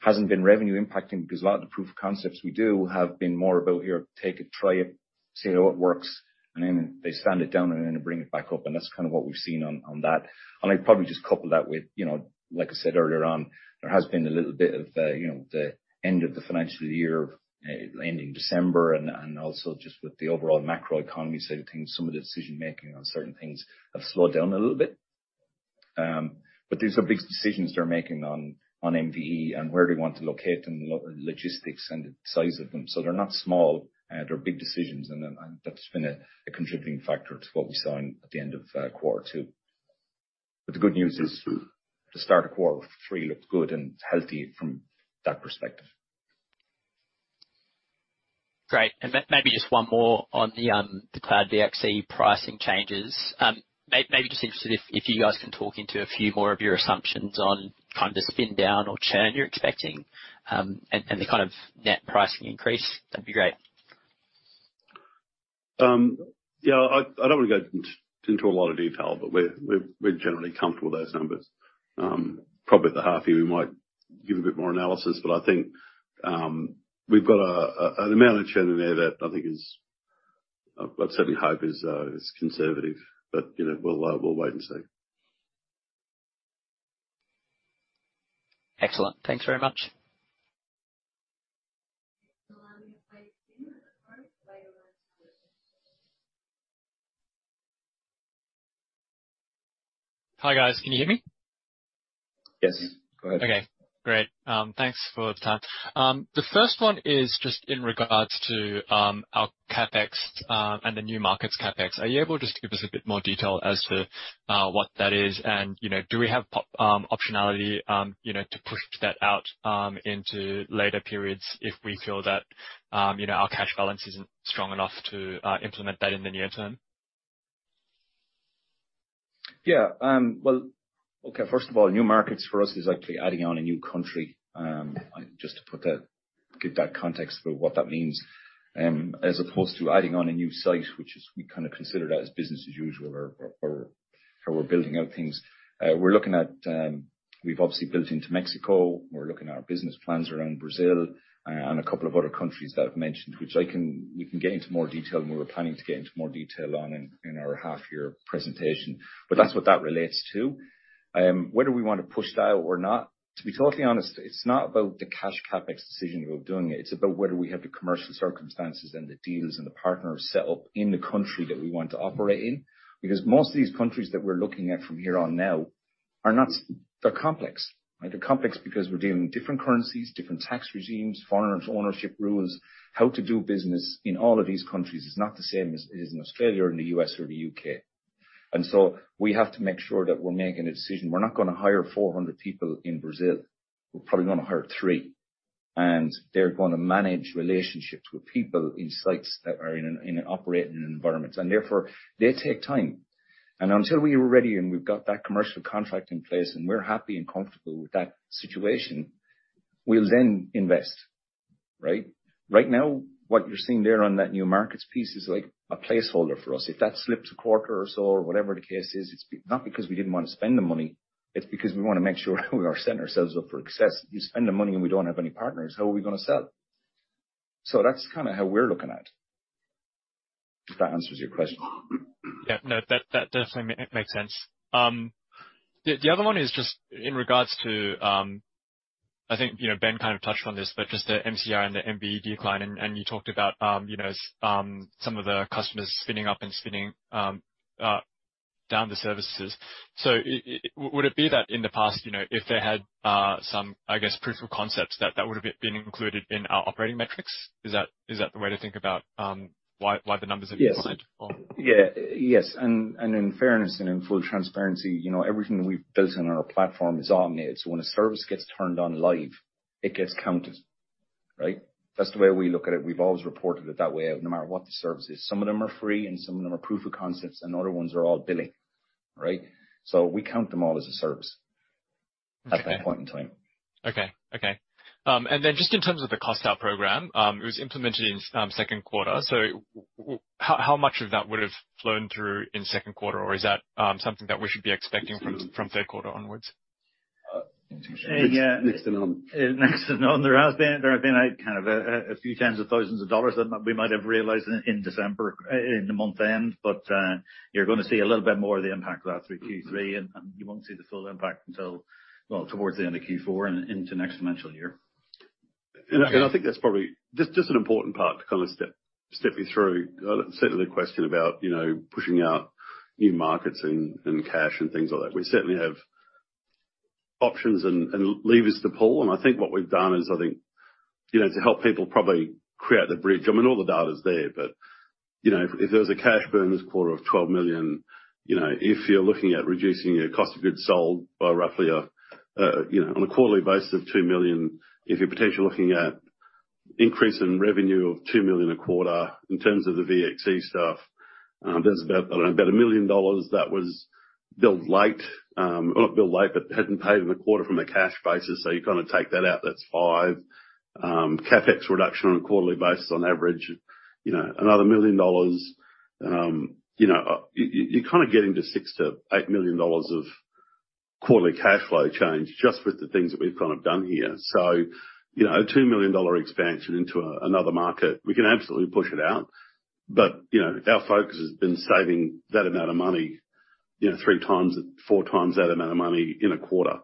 Hasn't been revenue impacting because a lot of the proof of concepts we do have been more about here, take it, try it, see how it works. Then they stand it down and then they bring it back up, and that's kind of what we've seen on that. I'd probably just couple that with, you know, like I said earlier on, there has been a little bit of the, you know, the end of the financial year ending December and, also just with the overall macro economy side of things, some of the decision-making on certain things have slowed down a little bit. These are big decisions they're making on MVE and where they want to locate and logistics and the size of them. They're not small. They're big decisions, and that's been a contributing factor to what we saw at the end of quarter two. The good news is the start of quarter three looked good and healthy from that perspective. Great. Maybe just one more on the Cloud VXC pricing changes. Maybe just interested if you guys can talk into a few more of your assumptions on kind of the spin down or churn you're expecting, and the kind of net pricing increase. That'd be great. I don't wanna go into a lot of detail. We're generally comfortable with those numbers. Probably at the half year, we might give a bit more analysis. I think we've got an amount of churn in there that I think is, let's certainly hope is conservative. You know, we'll wait and see. Excellent. Thanks very much. Hi, guys. Can you hear me? Yes. Go ahead. Okay, great. Thanks for the time. The first one is just in regards to our CapEx and the new markets CapEx. Are you able just to give us a bit more detail as to what that is? You know, do we have optionality, you know, to push that out into later periods if we feel that, you know, our cash balance isn't strong enough to implement that in the near term? Well, okay, first of all, new markets for us is actually adding on a new country. Just to put that, give that context for what that means, as opposed to adding on a new site, which is we kinda consider that as business as usual or how we're building out things. We're looking at, we've obviously built into Mexico. We're looking at our business plans around Brazil, and a couple of other countries that I've mentioned, which we can get into more detail and we're planning to get into more detail on in our half year presentation. That's what that relates to. Whether we wanna push that out or not, to be totally honest, it's not about the cash CapEx decision about doing it. It's about whether we have the commercial circumstances and the deals and the partners set up in the country that we want to operate in. Most of these countries that we're looking at from here on now are not. They're complex. They're complex because we're dealing with different currencies, different tax regimes, foreign ownership rules. How to do business in all of these countries is not the same as it is in Australia or in the U.S. or the U.K. We have to make sure that we're making a decision. We're not gonna hire 400 people in Brazil. We're probably gonna hire three, and they're gonna manage relationships with people in sites that are in an operating environment. They take time. Until we are ready and we've got that commercial contract in place and we're happy and comfortable with that situation, we'll then invest, right. Right now, what you're seeing there on that new markets piece is like a placeholder for us. If that slips a quarter or so or whatever the case is, it's not because we didn't want to spend the money, it's because we wanna make sure we are setting ourselves up for success. If you spend the money and we don't have any partners, how are we gonna sell? That's kinda how we're looking at, if that answers your question. No. That, that definitely makes sense. The other one is just in regards to, I think, you know, Ben kind of touched on this, but just the MCR and the MVE decline, and you talked about, you know, some of the customers spinning up and spinning down the services. Would it be that in the past, you know, if they had some, I guess, proof of concepts that that would have been included in our operating metrics? Is that, is that the way to think about why the numbers have declined? In fairness and in full transparency, you know, everything we've built in our platform is automated. When a service gets turned on live, it gets counted, right? That's the way we look at it. We've always reported it that way out no matter what the service is. Some of them are free and some of them are proof of concepts, and other ones are all billing, right? We count them all as a service. Okay. at that point in time. Okay. Okay. Just in terms of the cost out program, it was implemented in second quarter. How much of that would have flown through in second quarter? Is that something that we should be expecting from third quarter onwards? next to none. Next to none. There have been a kind of a few tens of thousands of AUD that we might have realized in the month end, but you're gonna see a little bit more of the impact of that through Q3, and you won't see the full impact until, well, towards the end of Q4 and into next financial year. I think that's probably just an important part to kind of step you through. Certainly the question about, you know, pushing out new markets and cash and things like that. We certainly have options and levers to pull, and I think what we've done is, I think, you know, to help people probably create the bridge. I mean, all the data's there, but, you know, if there was a cash burn this quarter of 12 million, you know, if you're looking at reducing your cost of goods sold by roughly a, you know, on a quarterly basis of 2 million, if you're potentially looking at increase in revenue of 2 million a quarter in terms of the VXC stuff, there's about 1 million dollars that was built late. Well, not built late, hadn't paid in the quarter from a cash basis. You kind of take that out, that's 5. CapEx reduction on a quarterly basis on average, you know, another 1 million dollars. You know, you're kinda getting to 6 million-8 million dollars of quarterly cash flow change just with the things that we've kind of done here. You know, an 2 million dollar expansion into another market, we can absolutely push it out. You know, our focus has been saving that amount of money, you know, three times it, four times that amount of money in a quarter.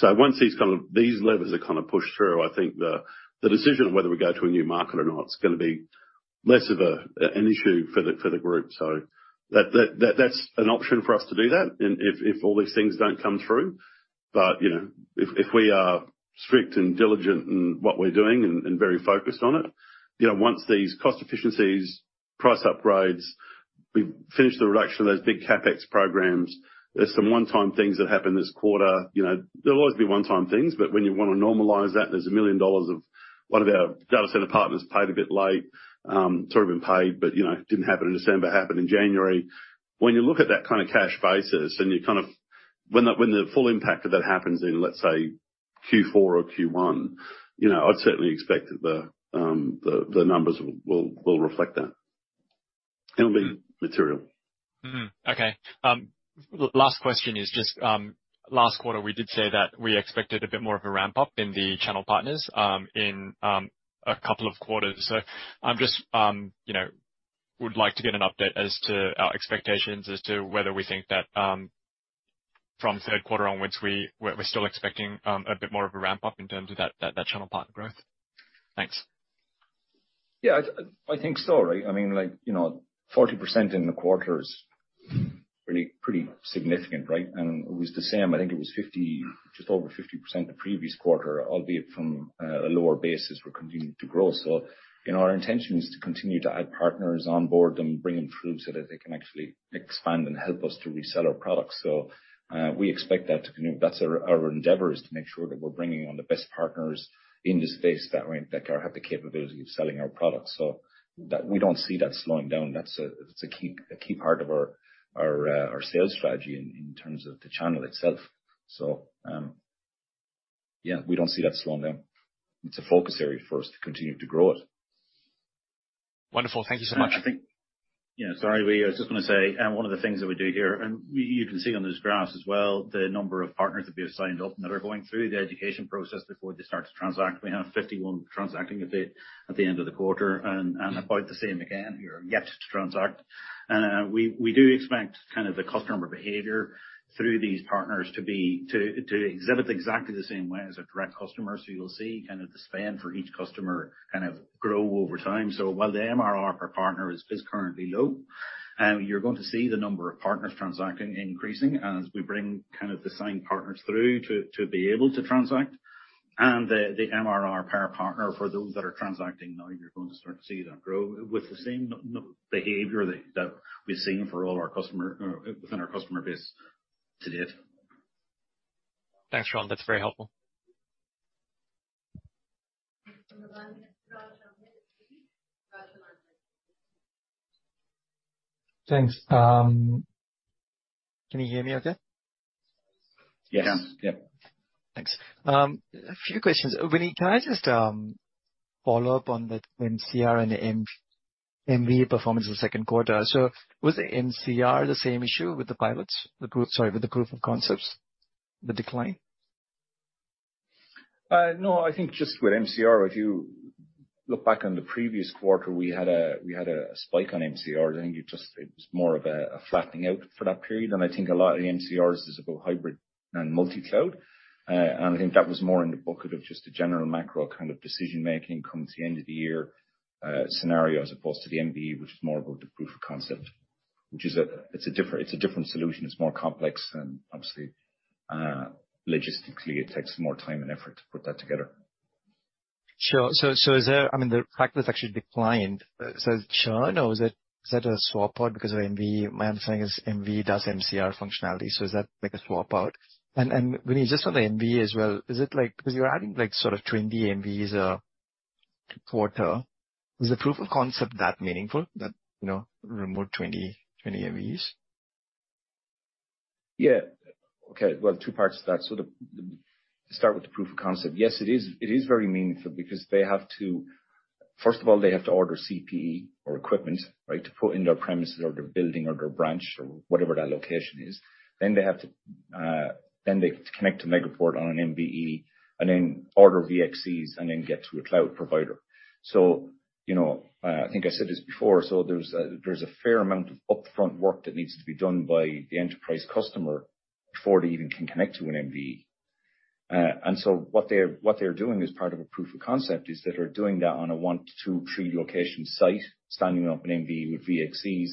Once these kind of, these levers are kind of pushed through, I think the decision of whether we go to a new market or not is gonna be less of a, an issue for the, for the group. That, that's an option for us to do that and if all these things don't come through. You know, if we are strict and diligent in what we're doing and very focused on it, you know, once these cost efficiencies, price upgrades, we've finished the reduction of those big CapEx programs, there's some one-time things that happened this quarter. You know, there'll always be one-time things, but when you wanna normalize that, there's $1 million of one of our data center partners paid a bit late, sort of been paid, but, you know, didn't happen in December, happened in January. When you look at that kind of cash basis when the full impact of that happens in, let's say, Q4 or Q1, you know, I'd certainly expect the numbers will reflect that. It'll be material. Okay. Last question is just, last quarter we did say that we expected a bit more of a ramp-up in the channel partners, in 2 quarters. I'm just, you know, would like to get an update as to our expectations as to whether we think that, from third quarter on, which we're still expecting, a bit more of a ramp-up in terms of that channel partner growth. Thanks. I think so, right? I mean, like, you know, 40% in the quarter is really pretty significant, right? It was the same, I think it was just over 50% the previous quarter, albeit from a lower basis, we're continuing to grow. You know, our intention is to continue to add partners on board and bring them through so that they can actually expand and help us to resell our products. We expect that to continue. That's our endeavor, is to make sure that we're bringing on the best partners in the space that have the capability of selling our products. That we don't see that slowing down. That's a key, a key part of our sales strategy in terms of the channel itself. We don't see that slowing down. It's a focus area for us to continue to grow it. Wonderful. Thank you so much. Sorry, Willie. I was just going to say, one of the things that we do here, you can see on these graphs as well, the number of partners that we have signed up that are going through the education process before they start to transact. We have 51 transacting a bit at the end of the quarter and about the same again who are yet to transact. We do expect kind of the customer behavior through these partners to be, to exhibit exactly the same way as our direct customers. You'll see kind of the spend for each customer kind of grow over time. While the MRR per partner is currently low, you're going to see the number of partners transacting increasing as we bring kind of the signed partners through to be able to transact. The MRR per partner for those that are transacting now, you're going to start to see that grow with the same behavior that we've seen for all our customer or within our customer base to date. Thanks, Sean. That's very helpful. Thanks. Can you hear me okay? Yes. Thanks. A few questions. Willie, can I just follow up on the MCR and the MVE performance in the second quarter? Was the MCR the same issue with the pilots? Sorry, with the proof of concepts, the decline? No, I think just with MCR, if you look back on the previous quarter, we had a spike on MCR. I think it just, it was more of a flattening out for that period. I think a lot of the MCRs is about hybrid and multi-cloud. I think that was more in the bucket of just a general macro kind of decision-making come to the end of the year scenario, as opposed to the MVE, which is more about the proof of concept. It's a different solution. It's more complex, and obviously, logistically, it takes more time and effort to put that together. Sure. I mean, the fact that it's actually declined, is it churn or is that a swap out because of MVE? My understanding is MVE does MCR functionality, is that like a swap out? Willie, just on the MVE as well, you're adding like sort of 20 MVEs a quarter. Is the proof of concept that meaningful that, you know, removed 20 MVEs? Okay. Well, two parts to that. To start with the proof of concept, yes, it is very meaningful because they have to. First of all, they have to order CPE or equipment, right? To put into their premises or their building or their branch or whatever that location is. They have to, then they connect to Megaport on an MVE and then order VXCs and then get to a cloud provider. You know, I think I said this before, there's a fair amount of upfront work that needs to be done by the enterprise customer. Before they even can connect to an MVE. What they're, what they're doing as part of a proof of concept is that they're doing that on a 1 to 2, 3 location site, standing up an MVE with VXCs,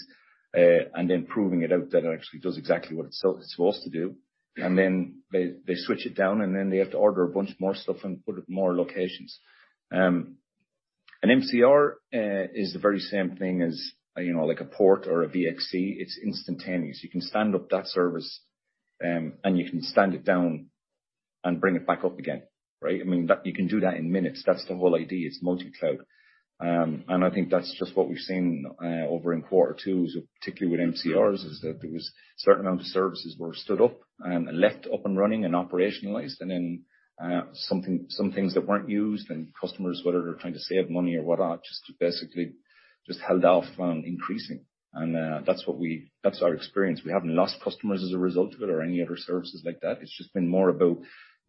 and then proving it out that it actually does exactly what it's supposed to do. Then they switch it down, and then they have to order a bunch more stuff and put up more locations. An MCR is the very same thing as, you know, like a port or a VXC. It's instantaneous. You can stand up that service, and you can stand it down and bring it back up again, right? I mean, that you can do that in minutes. That's the whole idea. It's multi-cloud. I think that's just what we've seen over in quarter two, so particularly with MCRs, is that there was a certain amount of services were stood up, left up and running and operationalized. Then, some things that weren't used and customers, whether they're trying to save money or whatnot, just basically just held off on increasing. That's our experience. We haven't lost customers as a result of it or any other services like that. It's just been more about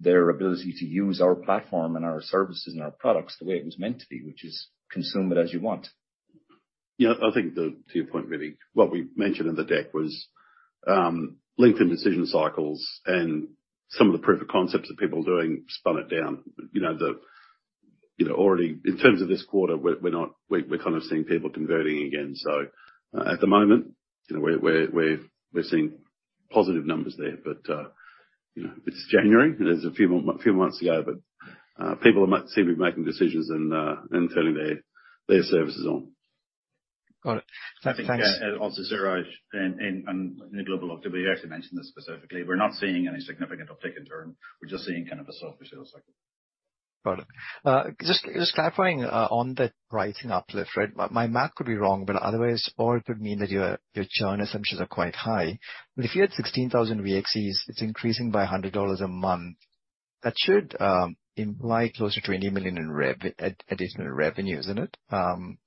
their ability to use our platform and our services and our products the way it was meant to be, which is consume it as you want. I think the to your point, really, what we mentioned in the deck was lengthened decision cycles and some of the proof of concepts that people were doing spun it down. You know, already in terms of this quarter, we're kind of seeing people converting again. At the moment, you know, we're seeing positive numbers there, but, you know, it's January. There's a few months to go, but people seem to be making decisions and turning their services on. Got it. Thanks. I think, also, Siraj, in the global activity, you actually mentioned this specifically. We're not seeing any significant uplift in turn. We're just seeing kind of a soft sales cycle. Got it. Just clarifying, on the pricing uplift, right? My math could be wrong, but otherwise or it could mean that your churn assumptions are quite high. If you had 16,000 VXCs, it's increasing by $100 a month. That should imply closer to $80 million in additional revenue, isn't it? We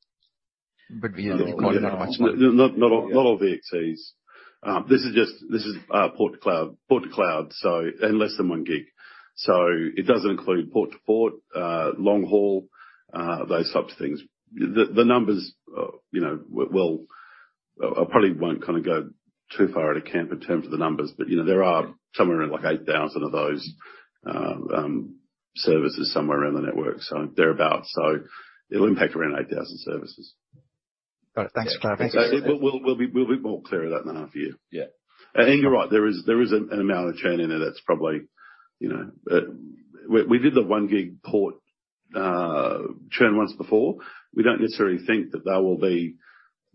only got not much money. Not all VXCs. This is just this is port to cloud, port to cloud, so and less than 1 gig. It doesn't include port to port, long haul, those types of things. The numbers, you know, I probably won't kinda go too far out of camp in terms of the numbers, but, you know, there are somewhere around like 8,000 of those services somewhere around the network, so thereabout. It'll impact around 8,000 services. Got it. Thanks for clarifying. We'll be more clear on that in the half year. You're right, there is an amount of churn in there that's probably, you know. We did the 1 Gig port churn once before. We don't necessarily think that there will be.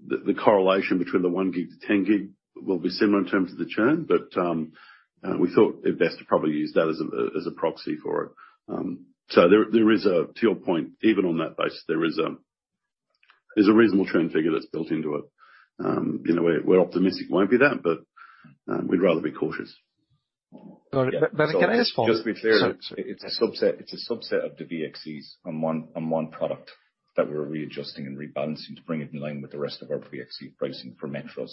The correlation between the 1 Gig to 10 Gig will be similar in terms of the churn. We thought it best to probably use that as a proxy for it. There is a, to your point, even on that basis, there is a reasonable churn figure that's built into it. You know, we're optimistic it won't be that, but we'd rather be cautious. Got it. Can I just follow up? Just to be clear, it's a subset of the VXCs on one product that we're readjusting and rebalancing to bring it in line with the rest of our VXC pricing for metros.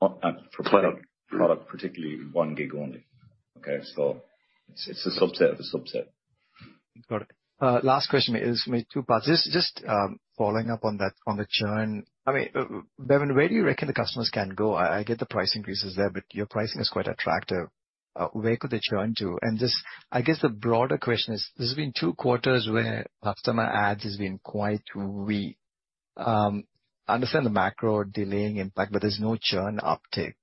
For product particularly 1 gig only. Okay? It's a subset of a subset. Got it. Last question is in two parts. Just, following up on that, on the churn. I mean, Bevan, where do you reckon the customers can go? I get the price increase is there, but your pricing is quite attractive. Where could they churn to? Just I guess the broader question is, this has been two quarters where customer adds has been quite weak. Understand the macro delaying impact, but there's no churn uptake.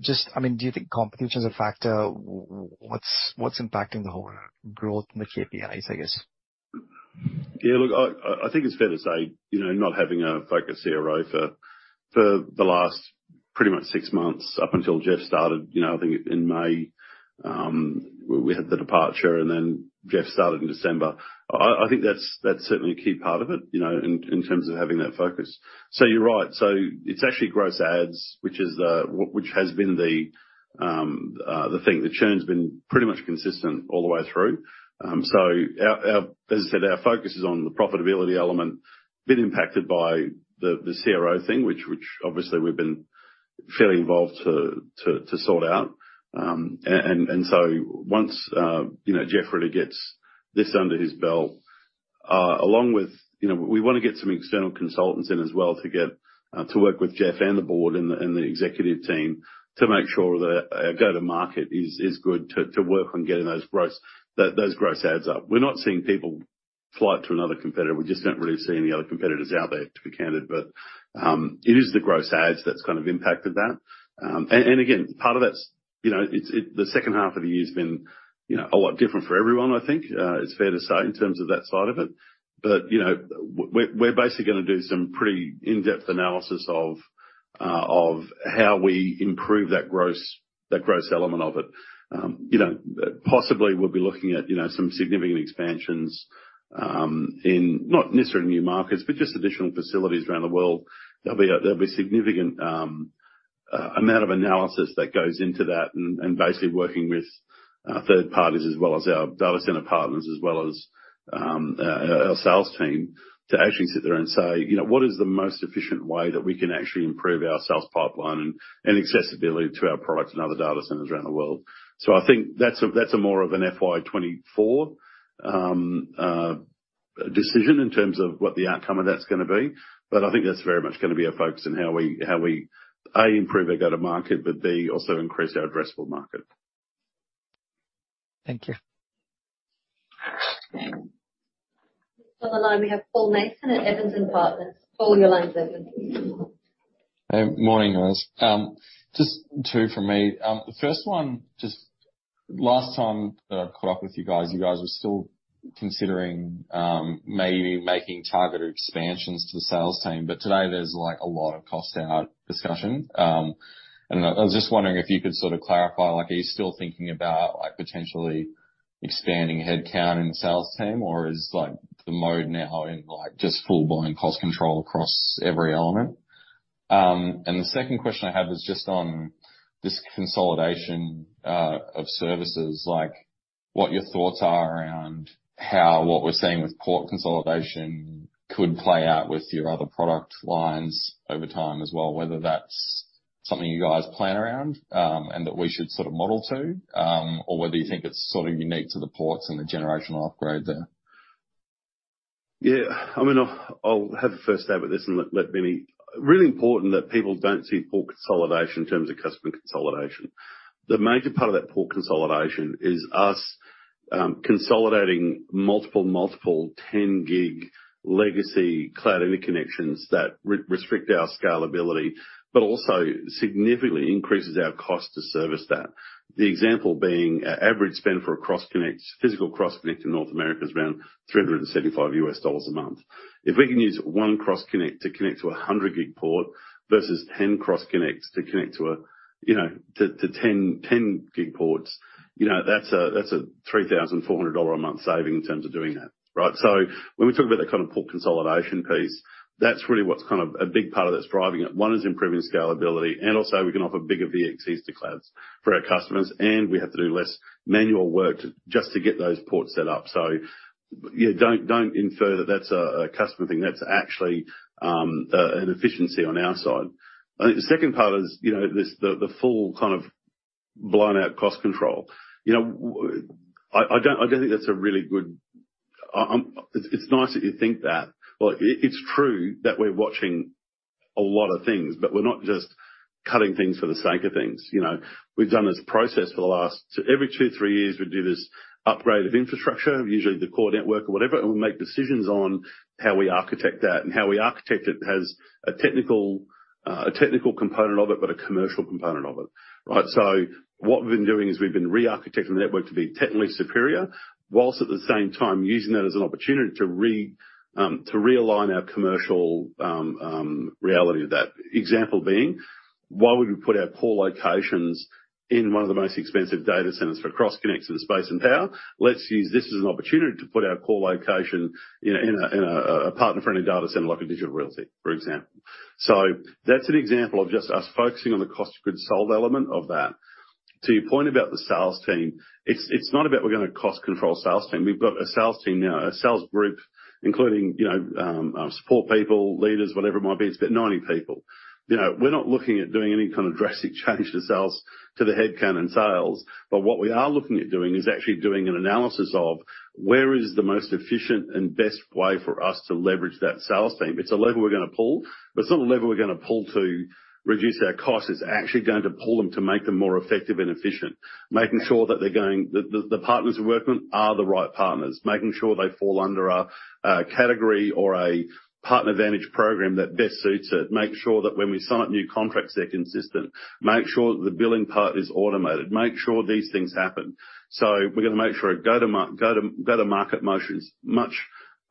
Just, I mean, do you think competition is a factor? What's impacting the whole growth in the KPIs, I guess? Look, I think it's fair to say, you know, not having a focus CRO for the last pretty much six months up until Jeff started. You know, I think in May, we had the departure, and then Jeff started in December. I think that's certainly a key part of it, you know, in terms of having that focus. You're right. It's actually gross adds, which has been the thing. The churn's been pretty much consistent all the way through. As I said, our focus is on the profitability element, been impacted by the CRO thing, which obviously we've been fairly involved to sort out. So once, you know, Jeff really gets this under his belt, along with, you know, we wanna get some external consultants in as well to get to work with Jeff and the board and the executive team to make sure that our go-to-market is good to to work on getting those gross adds up. We're not seeing people flight to another competitor. We just don't really see any other competitors out there, to be candid. It is the gross adds that's kind of impacted that. Again, part of that's, you know, it's the second half of the year's been, you know, a lot different for everyone, I think it's fair to say in terms of that side of it. You know, we're basically gonna do some pretty in-depth analysis of how we improve that gross element of it. You know, possibly we'll be looking at, you know, some significant expansions in not necessarily new markets, but just additional facilities around the world. There'll be significant amount of analysis that goes into that and basically working with third parties as well as our data center partners, as well as our sales team to actually sit there and say, you know, "What is the most efficient way that we can actually improve our sales pipeline and accessibility to our products and other data centers around the world?" I think that's a more of an FY 24 decision in terms of what the outcome of that's gonna be. I think that's very much gonna be our focus and how we, A, improve our go-to-market, but B, also increase our addressable market. Thank you. On the line, we have Paul Mason at Evans & Partners. Paul, your line's open. Morning, guys. Just two from me. The first one, just last time that I caught up with you guys, you guys were still considering, maybe making targeted expansions to the sales team. Today, there's, like, a lot of cost out discussion. I was just wondering if you could sort of clarify, like, are you still thinking about, like, potentially expanding headcount in the sales team? Or is, like, the mode now in, like, just full-blown cost control across every element? The second question I have is just on this consolidation of services, what your thoughts are around how what we're seeing with port consolidation could play out with your other product lines over time as well, whether that's something you guys plan around, and that we should sort of model to, or whether you think it's sort of unique to the ports and the generational upgrade there. I mean, I'll have a first stab at this and let Benny. Really important that people don't see port consolidation in terms of customer consolidation. The major part of that port consolidation is us consolidating multiple 10 Gig legacy cloud interconnections that re-restrict our scalability, but also significantly increases our cost to service that. The example being our average spend for a cross-connect, physical cross-connect in North America is around $375 a month. If we can use 1 cross-connect to connect to a 100 Gig port versus 10 cross-connects to connect to a, you know, to 10 Gig ports, you know, that's a $3,400 a month saving in terms of doing that. Right? When we talk about that kind of port consolidation piece, that's really what's kind of a big part of that's driving it. One is improving scalability, and also we can offer bigger VXCs to clouds for our customers, and we have to do less manual work to just to get those ports set up. Don't infer that that's a customer thing. That's actually an efficiency on our side. I think the second part is, you know, the full kind of blown-out cost control. You know, I don't think that's a really good. It's nice that you think that. Well, it's true that we're watching a lot of things, but we're not just cutting things for the sake of things. You know, we've done this process for the last. Every two, three years, we do this upgrade of infrastructure, usually the core network or whatever, we make decisions on how we architect that. How we architect it has a technical component of it, but a commercial component of it. Right? What we've been doing is we've been re-architecting the network to be technically superior, whilst at the same time using that as an opportunity to realign our commercial reality of that. Example being, why would we put our core locations in one of the most expensive data centers for cross-connects and space and power? Let's use this as an opportunity to put our core location in a partner-friendly data center like a Digital Realty, for example. That's an example of just us focusing on the cost of goods sold element of that. To your point about the sales team, it's not about we're gonna cost control sales team. We've got a sales team now, a sales group, including, you know, support people, leaders, whatever it might be. It's about 90 people. You know, we're not looking at doing any kind of drastic change to sales, to the headcount in sales. What we are looking at doing is actually doing an analysis of where is the most efficient and best way for us to leverage that sales team. It's a lever we're gonna pull, but it's not a lever we're gonna pull to reduce our costs. It's actually going to pull them to make them more effective and efficient. Making sure that they're going. The partners we work with are the right partners. Making sure they fall under a category or a Megaport PartnerVantage program that best suits it. Make sure that when we sign up new contracts, they're consistent. Make sure the billing part is automated. Make sure these things happen. So we're gonna make sure our go-to-market motion's much,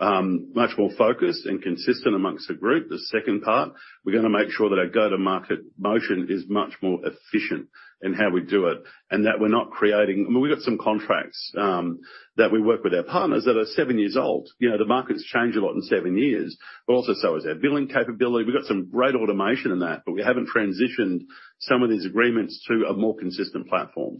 much more focused and consistent amongst the group. The second part, we're gonna make sure that our go-to-market motion is much more efficient in how we do it, and that we're not creating. I mean, we've got some contracts that we work with our partners that are seven years old. You know, the market's changed a lot in seven years, but also so has our billing capability. We've got some great automation in that, we haven't transitioned some of these agreements to a more consistent platform.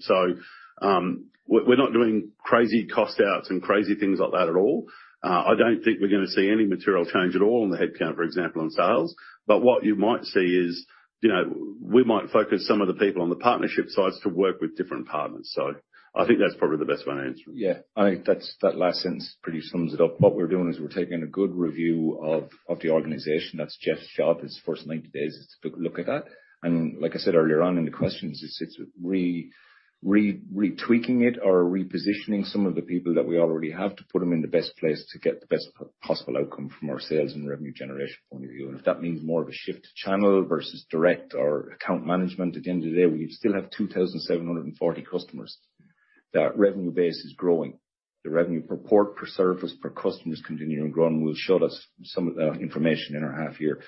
We're not doing crazy cost outs and crazy things like that at all. I don't think we're gonna see any material change at all in the headcount, for example, on sales. What you might see is, you know, we might focus some of the people on the partnership sides to work with different partners. I think that's probably the best way to answer it. I think that last sentence pretty sums it up. What we're doing is we're taking a good review of the organization. That's Jeff's job, his first 90 days is to look at that. Like I said earlier on in the questions, it's retweaking it or repositioning some of the people that we already have to put them in the best place to get the best possible outcome from our sales and revenue generation point of view. If that means more of a shift to channel versus direct or account management, at the end of the day, we still have 2,740 customers. That revenue base is growing. The revenue per port, per service, per customer is continuing to grow, and we'll show that, some of that information in our half year.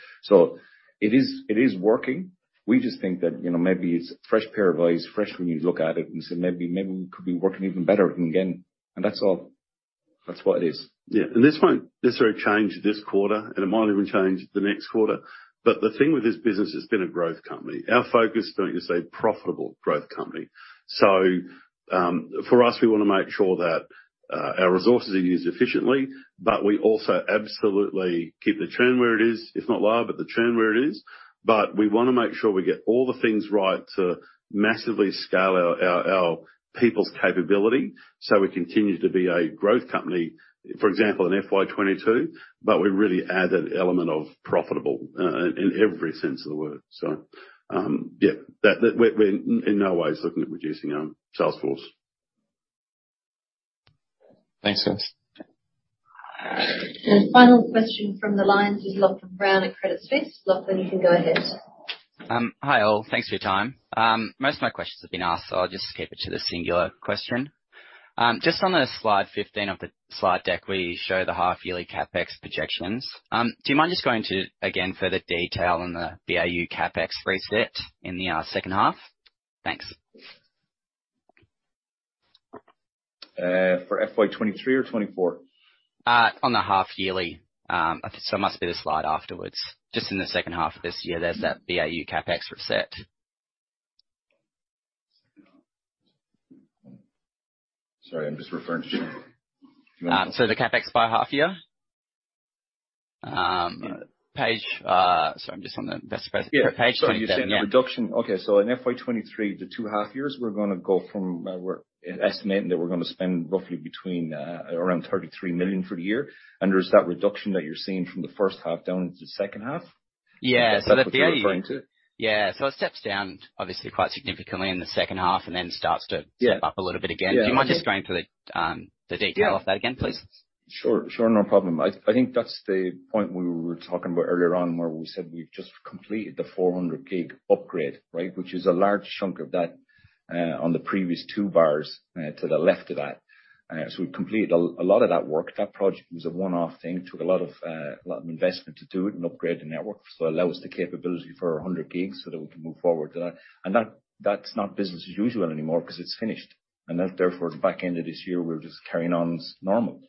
It is working. We just think that, you know, maybe it's fresh pair of eyes, fresh when you look at it and say, 'Maybe we could be working even better.' Again, that's all. That's what it is. This won't necessarily change this quarter, and it might even change the next quarter. The thing with this business, it's been a growth company. Our focus is going to stay profitable growth company. For us, we wanna make sure that our resources are used efficiently, but we also absolutely keep the trend where it is. If not lower, but the trend where it is. We wanna make sure we get all the things right to massively scale our people's capability, so we continue to be a growth company, for example, in FY 2022, but we really add an element of profitable in every sense of the word. We're in no way looking at reducing our sales force. Thanks guys. Final question from the line is Lachlan Brown at Credit Suisse. Lachlan, you can go ahead. Hi all. Thanks for your time. Most of my questions have been asked, so I'll just keep it to the singular question. Just on the slide 15 of the slide deck, where you show the half-yearly CapEx projections. Do you mind just going to, again, further detail on the BAU CapEx reset in the second half? Thanks. For FY 2023 or 2024? On the half-yearly. It must be the slide afterwards, just in the second half of this year, there's that BAU CapEx reset. Sorry, I'm just referring. The CapEx by half year. Page, I'm just on the best page. Sorry. You're saying the reduction. Okay. In FY 2023, the two half years we're gonna go from, we're estimating that we're gonna spend roughly between around $33 million for the year. There's that reduction that you're seeing from the first half down into the second half. The BAU- Is that what you're referring to? It steps down obviously quite significantly in the second half. step up a little bit again. Do you mind just going through the? of that again, please? Sure. Sure. No problem. I think that's the point we were talking about earlier on where we said we've just completed the 400 Gig upgrade, right? Which is a large chunk of that, on the previous two bars, to the left of that. We've completed a lot of that work. That project was a one-off thing. It took a lot of investment to do it and upgrade the network. Allows the capability for 100 Gigs so that we can move forward to that. That, that's not business as usual anymore 'cause it's finished, and therefore the back end of this year we're just carrying on as normal.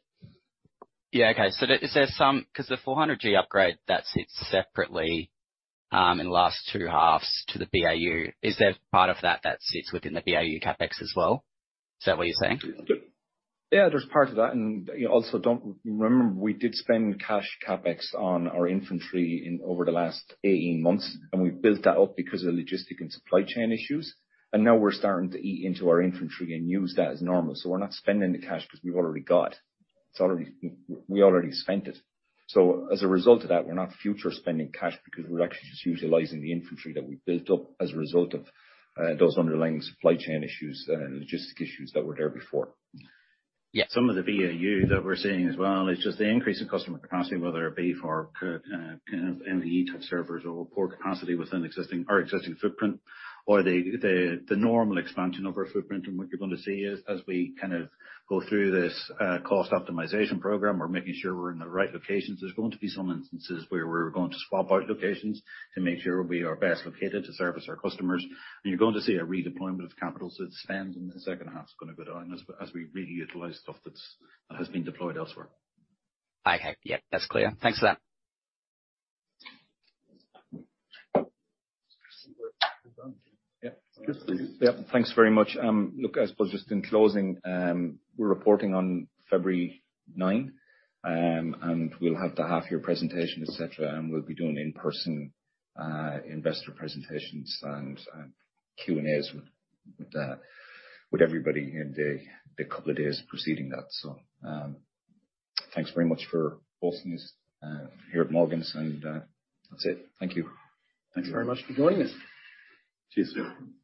Okay. Because the 400 Gig upgrade, that sits separately, in the last 2 halves to the BAU. Is there part of that that sits within the BAU CapEx as well? Is that what you're saying? There's part of that. Remember we did spend cash CapEx on our inventory in over the last 18 months, we built that up because of the logistic and supply chain issues. Now we're starting to eat into our inventory and use that as normal. We're not spending the cash because we've already got. We already spent it. As a result of that, we're not future spending cash because we're actually just utilizing the inventory that we built up as a result of those underlying supply chain issues and logistic issues that were there before. Some of the BAU that we're seeing as well is just the increase in customer capacity, whether it be for kind of MVE type servers or port capacity within existing footprint or the normal expansion of our footprint. What you're gonna see is, as we kind of go through this cost optimization program, we're making sure we're in the right locations. There's going to be some instances where we're going to swap out locations to make sure we are best located to service our customers. You're going to see a redeployment of capital. The spend in the second half is gonna go down as we reutilize stuff that has been deployed elsewhere. Okay. That's clear. Thanks for that. Thanks very much. Look, I suppose just in closing, we're reporting on February 9, and we'll have the half year presentation, et cetera, and we'll be doing in-person investor presentations and Q&As with everybody in the couple of days preceding that. Thanks very much for hosting this here at Morgans and that's it. Thank you. Thanks very much for joining us.